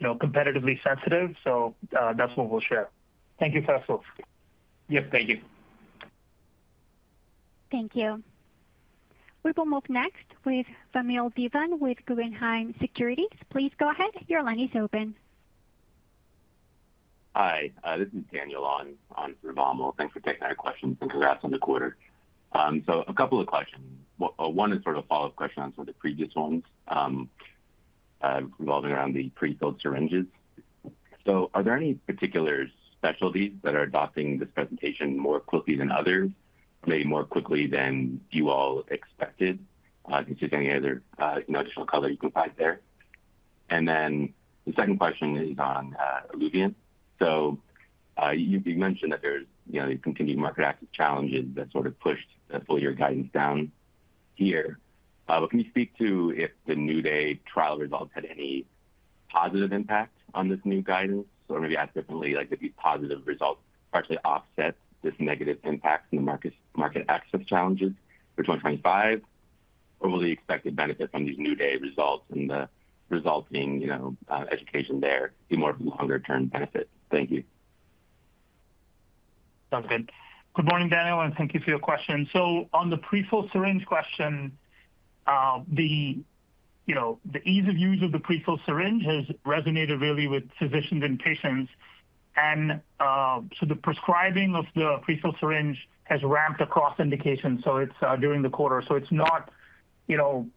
competitively sensitive. That's what we'll share. Thank you, Faisal. Thank you. Thank you. We will move next with Daniel Bevan with Guggenheim Securities. Please go ahead. Your line is open. Hi. This is Daniel on [Revamo]. Thanks for taking that question and congrats on the quarter. A couple of questions. One is sort of a follow-up question on the previous ones involving the pre-filled syringes. Are there any particular specialties that are adopting this presentation more quickly than others, or maybe more quickly than you all expected? If there's any other additional color you could find there. The second question is on ILUVIEN. You mentioned that there's, you know, you can be market active challenges that sort of pushed that full-year guidance down here. Can you speak to if the NuDay clinical trial results had any positive impact on this new guidance? Or maybe ask differently, if these positive results partially offset this negative impact in the market access challenges for 2025, or will the expected benefit from these NuDay results and the resulting education there be more of a longer-term benefit? Thank you. Sounds good. Good morning, Daniel, and thank you for your question. On the pre-filled syringe question, the ease of use of the pre-filled syringe has resonated really with physicians and patients. The prescribing of the pre-filled syringe has ramped across indications during the quarter. It is not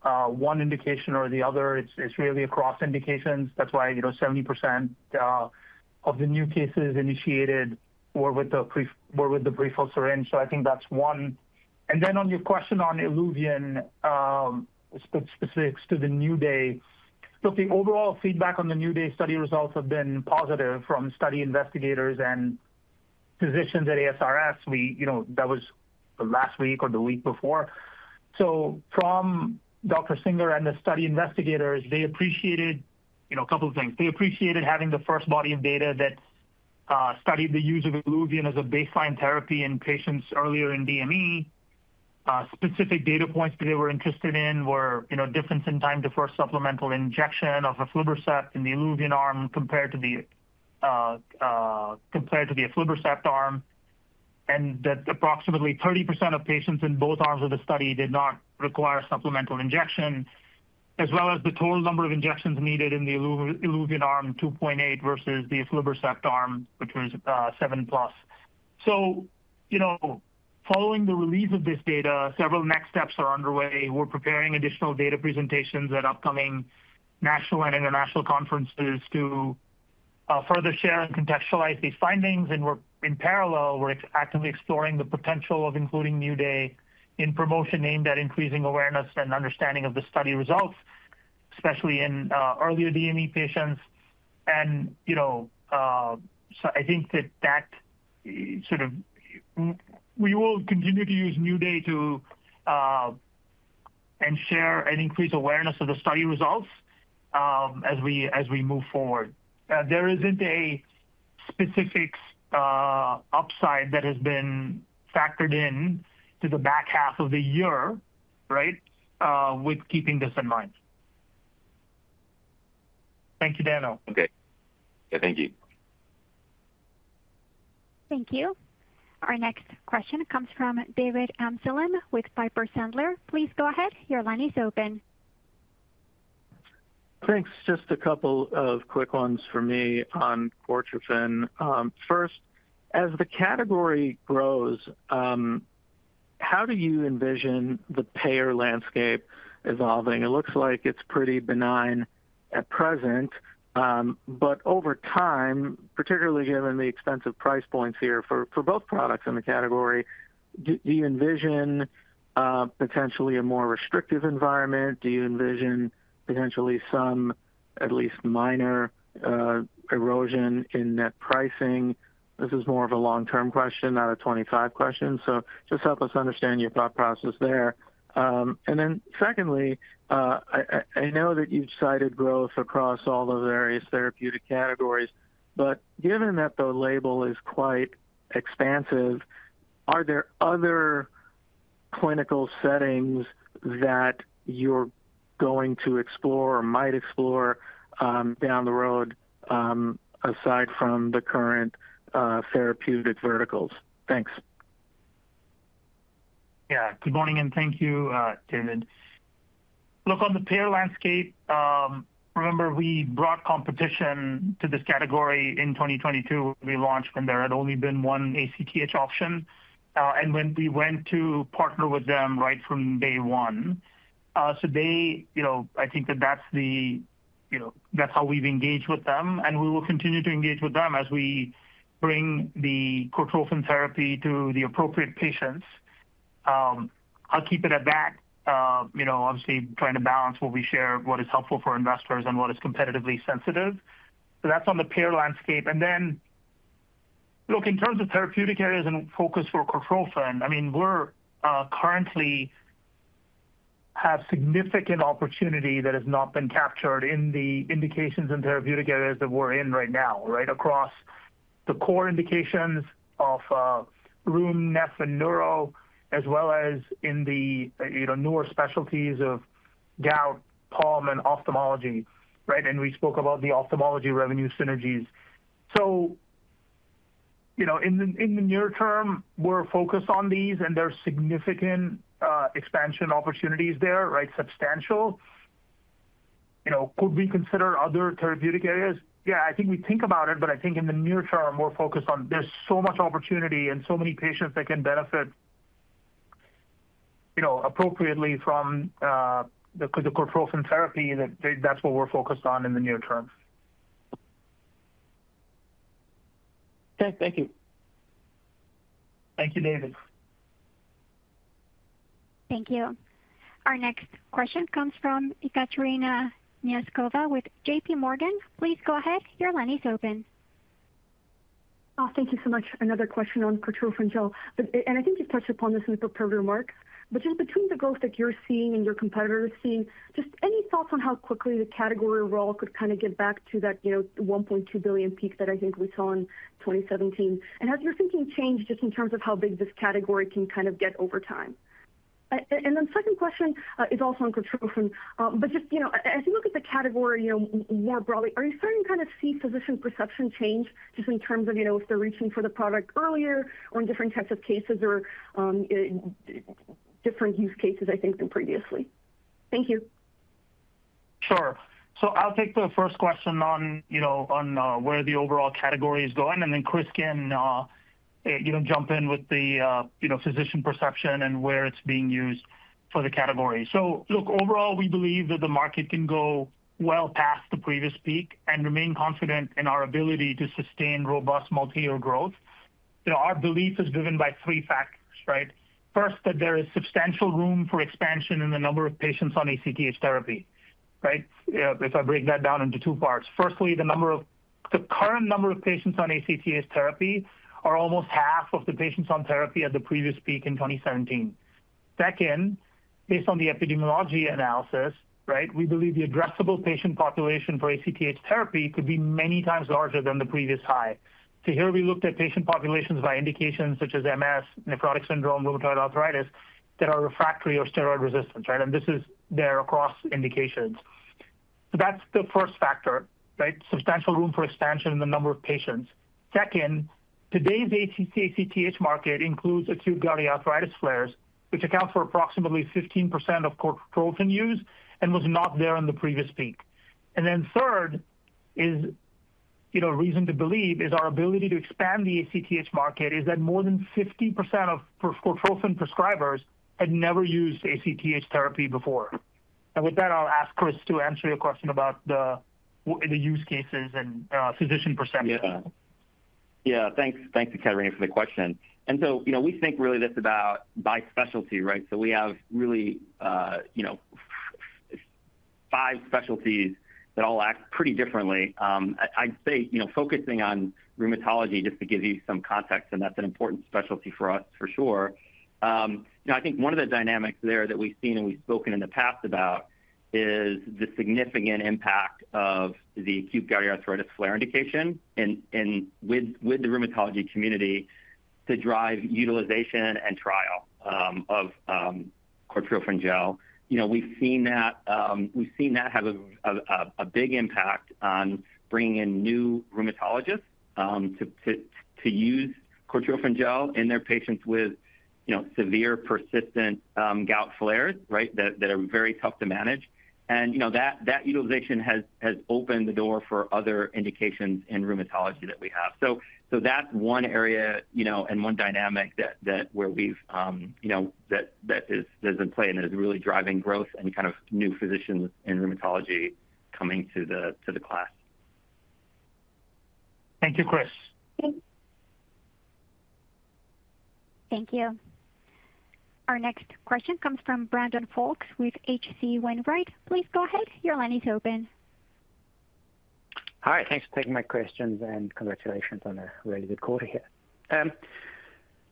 one indication or the other; it is really across indications. That is why 70% of the new cases initiated were with the pre-filled syringe. I think that is one. On your question on ILUVIEN, specifics to the NuDay, the overall feedback on the NuDay study results has been positive from study investigators and physicians at ASRS. That was the last week or the week before. From Dr. Singer and the study investigators, they appreciated a couple of things. They appreciated having the first body of data that studied the use of ILUVIEN as a baseline therapy in patients earlier in DME. Specific data points that they were interested in were the difference in time to first supplemental injection of Aflibercept in the ILUVIEN arm compared to the Aflibercept arm, and that approximately 30% of patients in both arms of the study did not require supplemental injection, as well as the total number of injections needed in the ILUVIEN arm, 2.8, versus the Aflibercept arm, which was 7+. Following the release of this data, several next steps are underway. We are preparing additional data presentations at upcoming national and international conferences to further share and contextualize these findings. In parallel, we are actively exploring the potential of including NuDay in promotion aimed at increasing awareness and understanding of the study results, especially in earlier DME patients. I think that we will continue to use NuDay to share and increase awareness of the study results as we move forward. There is not a specific upside that has been factored into the back half of the year, with keeping this in mind. Thank you, Daniel. Okay. Yeah, thank you. Thank you. Our next question comes from David Amsellem with Piper Sandler. Please go ahead. Your line is open. Thanks. Just a couple of quick ones for me on Purified Cortrophin Gel. First, as the category grows, how do you envision the payer landscape evolving? It looks like it's pretty benign at present. Over time, particularly given the expensive price points here for both products in the category, do you envision potentially a more restrictive environment? Do you envision potentially some at least minor erosion in net pricing? This is more of a long-term question, not a 2025 question. Just help us understand your thought process there. Secondly, I know that you've cited growth across all the various therapeutic categories. Given that the label is quite expansive, are there other clinical settings that you're going to explore or might explore down the road, aside from the current therapeutic verticals? Thanks. Yeah. Good morning, and thank you, David. Look, on the payer landscape, remember we brought competition to this category in 2022. We launched when there had only been one ACTH option. When we went to partner with them right from day one, they, you know, I think that that's the, you know, that's how we've engaged with them. We will continue to engage with them as we bring the Purified Cortrophin Gel therapy to the appropriate patients. I'll keep it at that. Obviously, trying to balance what we share, what is helpful for investors, and what is competitively sensitive. That's on the payer landscape. In terms of therapeutic areas and focus for Purified Cortrophin Gel, we currently have significant opportunity that has not been captured in the indications and therapeutic areas that we're in right now, right, across the core indications of rheumatology, nephrology, and neurology, as well as in the newer specialties of acute gouty arthritis flares, pulmonology, and ophthalmology, right? We spoke about the ophthalmology revenue synergies. In the near term, we're focused on these, and there's significant expansion opportunities there, substantial. Could we consider other therapeutic areas? Yeah, I think we think about it, but I think in the near term, we're focused on there's so much opportunity and so many patients that can benefit, you know, appropriately from the Purified Cortrophin Gel therapy that that's what we're focused on in the near term. Okay, thank you. Thank you, David. Thank you. Our next question comes from Ekaterina Knyazkova with J.P. Morgan. Please go ahead. Your line is open. Oh, thank you so much. Another question on Purified Cortrophin Gel. I think you've touched upon this in the prepared remarks, but just between the growth that you're seeing and your competitors are seeing, any thoughts on how quickly the category role could kind of get back to that $1.2 billion peak that I think we saw in 2017? Has your thinking changed just in terms of how big this category can kind of get over time? The second question is also on Purified Cortrophin Gel, but just, you know, as you look at the category more broadly, are you starting to kind of see physician perception change just in terms of, you know, if they're reaching for the product earlier or in different types of cases or different use cases, I think, than previously? Thank you. Sure. I'll take the first question on where the overall category is going. Chris can jump in with the physician perception and where it's being used for the category. Overall, we believe that the market can go well past the previous peak and remain confident in our ability to sustain robust multi-year growth. Our belief is driven by three factors, right? First, there is substantial room for expansion in the number of patients on ACTH therapy. If I break that down into two parts, firstly, the current number of patients on ACTH therapy are almost half of the patients on therapy at the previous peak in 2017. Second, based on the epidemiology analysis, we believe the addressable patient population for ACTH therapy could be many times larger than the previous high. Here we looked at patient populations by indications such as MS, nephrotic syndrome, rheumatoid arthritis that are refractory or steroid resistant, and this is there across indications. That's the first factor, substantial room for expansion in the number of patients. Second, today's ACTH market includes acute gouty arthritis flares, which accounts for approximately 15% of Purified Cortrophin Gel use and was not there in the previous peak. Third, our reason to believe in our ability to expand the ACTH market is that more than 50% of Purified Cortrophin Gel prescribers had never used ACTH therapy before. With that, I'll ask Chris to answer your question about the use cases and physician perception. Yeah, thanks, thanks Ekaterina, for the question. We think really this about by specialty, right? We have really, you know, five specialties that all act pretty differently. I'd say, you know, focusing on rheumatology just to give you some context, and that's an important specialty for us, for sure. I think one of the dynamics there that we've seen and we've spoken in the past about is the significant impact of the acute gouty arthritis flare indication. With the rheumatology community to drive utilization and trial of Purified Cortrophin Gel, we've seen that have a big impact on bringing in new rheumatologists to use Purified Cortrophin Gel in their patients with severe persistent gout flares that are very tough to manage. That utilization has opened the door for other indications in rheumatology that we have. That's one area and one dynamic that is in play and is really driving growth and kind of new physicians in rheumatology coming to the class. Thank you, Chris. Thank you. Our next question comes from Brandon Folkes with H.C. Wainwright. Please go ahead. Your line is open. All right. Thanks for taking my questions and congratulations on a really good quarter here.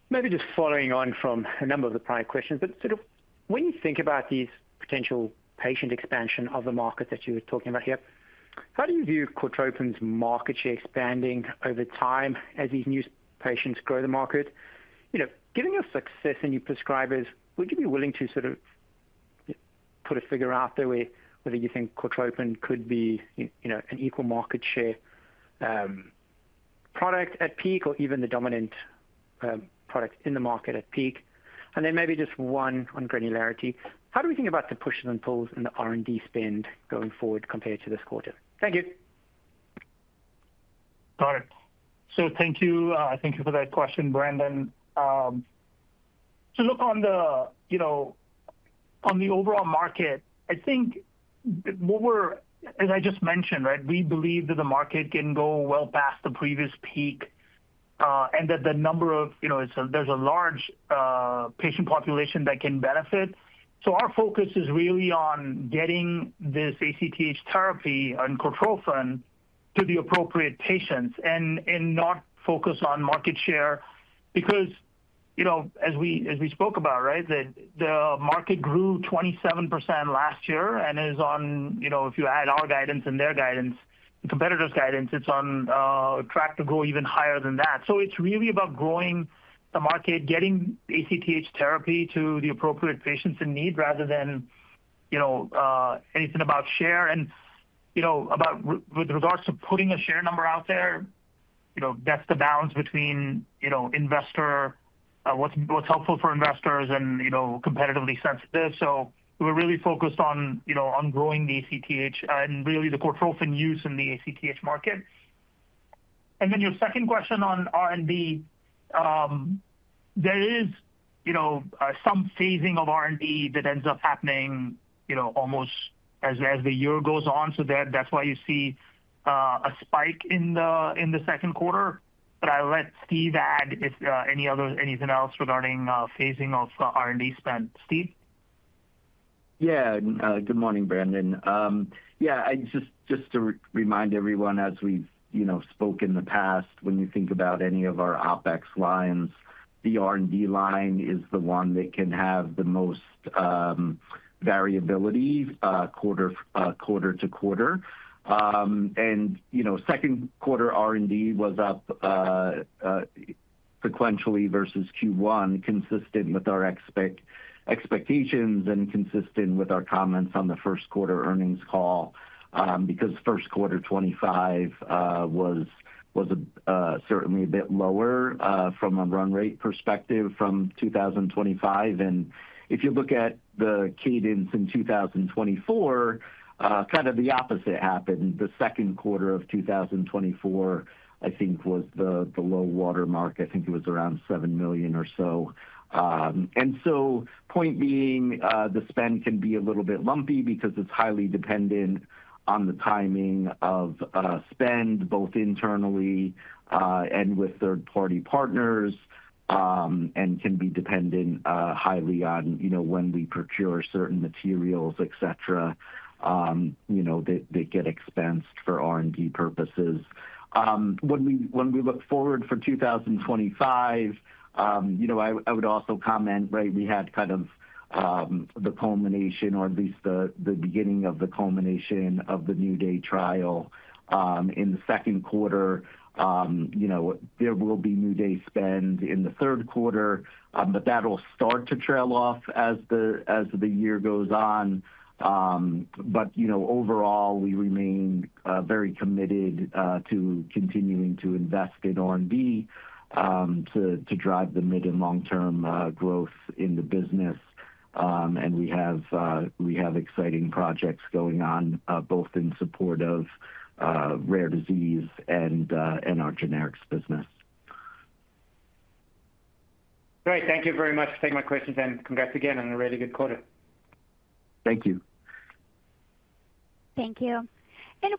Maybe just following on from a number of the prior questions, but sort of when you think about these potential patient expansion of the market that you're talking about here, how do you view Purified Cortrophin Gel's market share expanding over time as these new patients grow the market? Given your success in your prescribers, would you be willing to sort of put a figure out there whether you think Purified Cortrophin Gel could be, you know, an equal market share product at peak or even the dominant product in the market at peak? Maybe just one on granularity. How do we think about the pushes and pulls in the R&D spend going forward compared to this quarter? Thank you. Got it. Thank you for that question, Brandon. On the overall market, as I just mentioned, we believe that the market can go well past the previous peak and that there's a large patient population that can benefit. Our focus is really on getting this ACTH therapy and Purified Cortrophin Gel to the appropriate patients and not focus on market share because, as we spoke about, the market grew 27% last year and if you add our guidance and their guidance, the competitor's guidance, it's on track to grow even higher than that. It's really about growing the market, getting ACTH therapy to the appropriate patients in need rather than anything about share. With regards to putting a share number out there, that's the balance between what's helpful for investors and what's competitively sensitive. We're really focused on growing the ACTH and really the Purified Cortrophin Gel use in the ACTH market. Your second question on R&D, there is some phasing of R&D that ends up happening almost as the year goes on. That's why you see a spike in the second quarter. I'll let Steve add if there's anything else regarding phasing of R&D spend. Steve? Yeah. Good morning, Brandon. Just to remind everyone, as we've spoken in the past, when you think about any of our OpEx lines, the R&D line is the one that can have the most variability quarter to quarter. Second quarter R&D was up sequentially versus Q1, consistent with our expectations and consistent with our comments on the first quarter earnings call because first quarter 2025 was certainly a bit lower from a run rate perspective from 2025. If you look at the cadence in 2024, kind of the opposite happened. The second quarter of 2024, I think, was the low watermark. I think it was around $7 million or so. The point being, the spend can be a little bit lumpy because it's highly dependent on the timing of spend both internally and with third-party partners and can be dependent highly on when we procure certain materials, etc., that get expensed for R&D purposes. When we look forward for 2025, I would also comment, we had kind of the culmination or at least the beginning of the culmination of the NuDay clinical trial in the second quarter. There will be NuDay spend in the third quarter, but that'll start to trail off as the year goes on. Overall, we remain very committed to continuing to invest in R&D to drive the mid and long-term growth in the business. We have exciting projects going on both in support of rare disease and our generics business. Great. Thank you very much for taking my questions and congrats again on a really good quarter. Thank you. Thank you.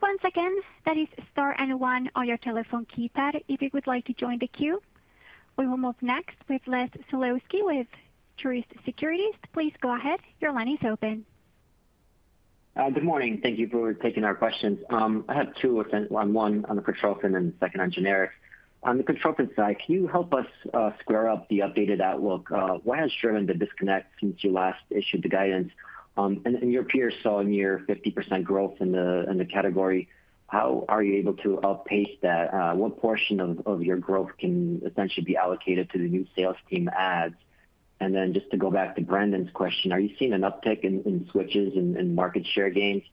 Once again, that is star and one on your telephone keypad if you would like to join the queue. We will move next with Les Sulewski with Truist Securities. Please go ahead. Your line is open. Good morning. Thank you for taking our questions. I have two, one on the Purified Cortrophin Gel and the second on generics. On the Purified Cortrophin Gel side, can you help us square up the updated outlook? Why has there been the disconnect since you last issued the guidance? Your peers saw a near 50% growth in the category. How are you able to outpace that? What portion of your growth can essentially be allocated to the new sales team ads? Just to go back to Brandon's question, are you seeing an uptick in switches in market share gains?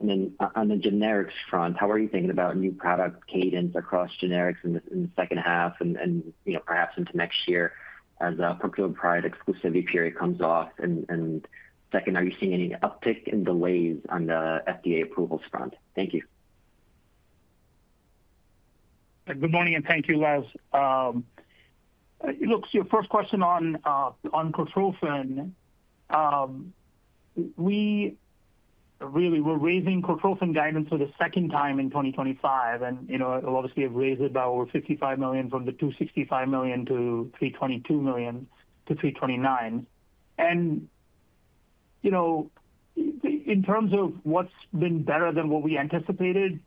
On the generics front, how are you thinking about new product cadence across generics in the second half and, you know, perhaps into next year as a procurement product exclusivity period comes off? Are you seeing any uptick in delays on the FDA approvals front? Thank you. Good morning, and thank you, Les. Look, your first question on Purified Cortrophin Gel, we really were raising Purified Cortrophin Gel guidance for the second time in 2025. Obviously, it raised it by over $55 million from the $265 million to $322 million to $329 million. In terms of what's been better than what we anticipated,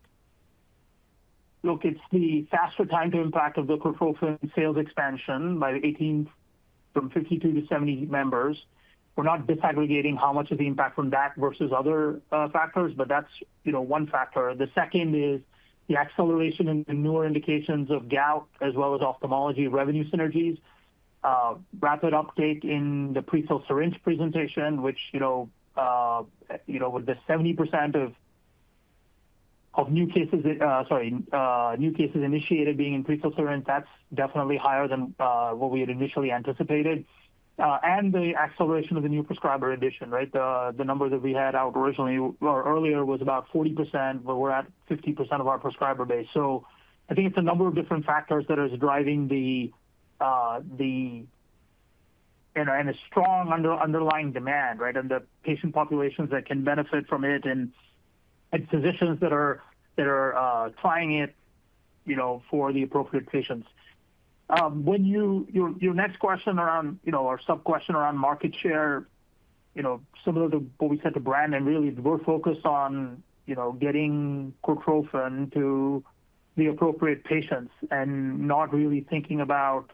it's the faster time to impact of the Purified Cortrophin Gel sales expansion by 18 from 52 to 70 members. We're not disaggregating how much of the impact from that versus other factors, but that's one factor. The second is the acceleration in the newer indications of gout, as well as ophthalmology revenue synergies, rapid uptake in the pre-filled syringe presentation, with 70% of new cases initiated being in pre-filled syringe, that's definitely higher than what we had initially anticipated. The acceleration of the new prescriber addition, right? The number that we had out originally or earlier was about 40%, but we're at 50% of our prescriber base. I think it's a number of different factors that are driving the strong underlying demand, and the patient populations that can benefit from it and physicians that are trying it for the appropriate patients. Your next question around, or sub-question around market share, similar to what we said to Brandon, really, we're focused on getting Purified Cortrophin Gel to the appropriate patients and not really thinking about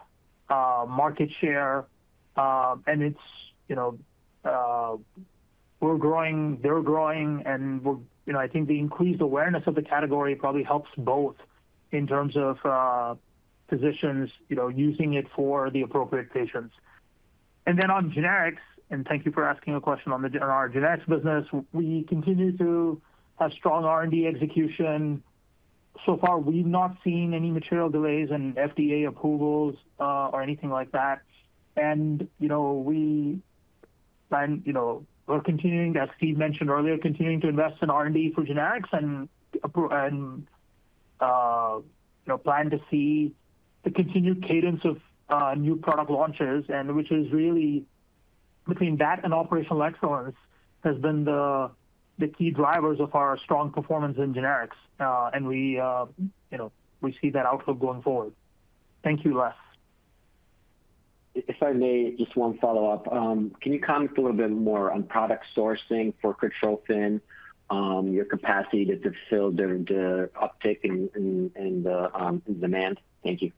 market share. We're growing, they're growing, and I think the increased awareness of the category probably helps both in terms of physicians using it for the appropriate patients. On generics, and thank you for asking a question on our generics business. continue to have strong R&D execution. We've not seen any material delays in FDA approvals or anything like that. We plan, as Steve mentioned earlier, to continue to invest in R&D for generics and plan to see the continued cadence of new product launches, which is really between that and operational excellence, the key drivers of our strong performance in generics. We see that outlook going forward. Thank you, Lesh. If I may, just one follow-up. Can you comment a little bit more on product sourcing for Purified Cortrophin Gel, your capacity to fill the uptake and the demand? Thank you.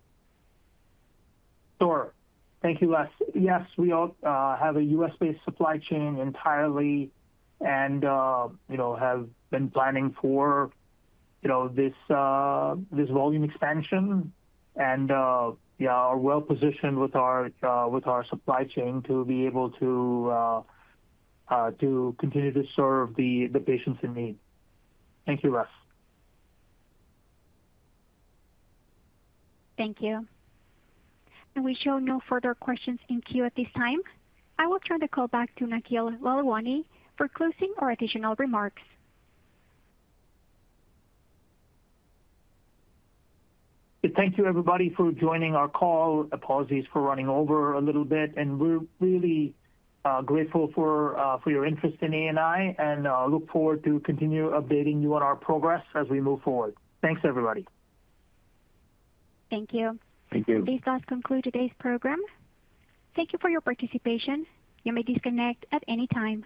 Sure. Thank you, Les. Yes, we all have a U.S.-based supply chain entirely and have been planning for this volume expansion. We're well positioned with our supply chain to be able to continue to serve the patients in need. Thank you, Les. Thank you. We show no further questions in queue at this time. I will turn the call back to Nikhil Lalwani for closing or additional remarks. Thank you, everybody, for joining our call. Apologies for running over a little bit. We're really grateful for your interest in ANI and look forward to continue updating you on our progress as we move forward. Thanks, everybody. Thank you. Thank you. This does conclude today's program. Thank you for your participation. You may disconnect at any time.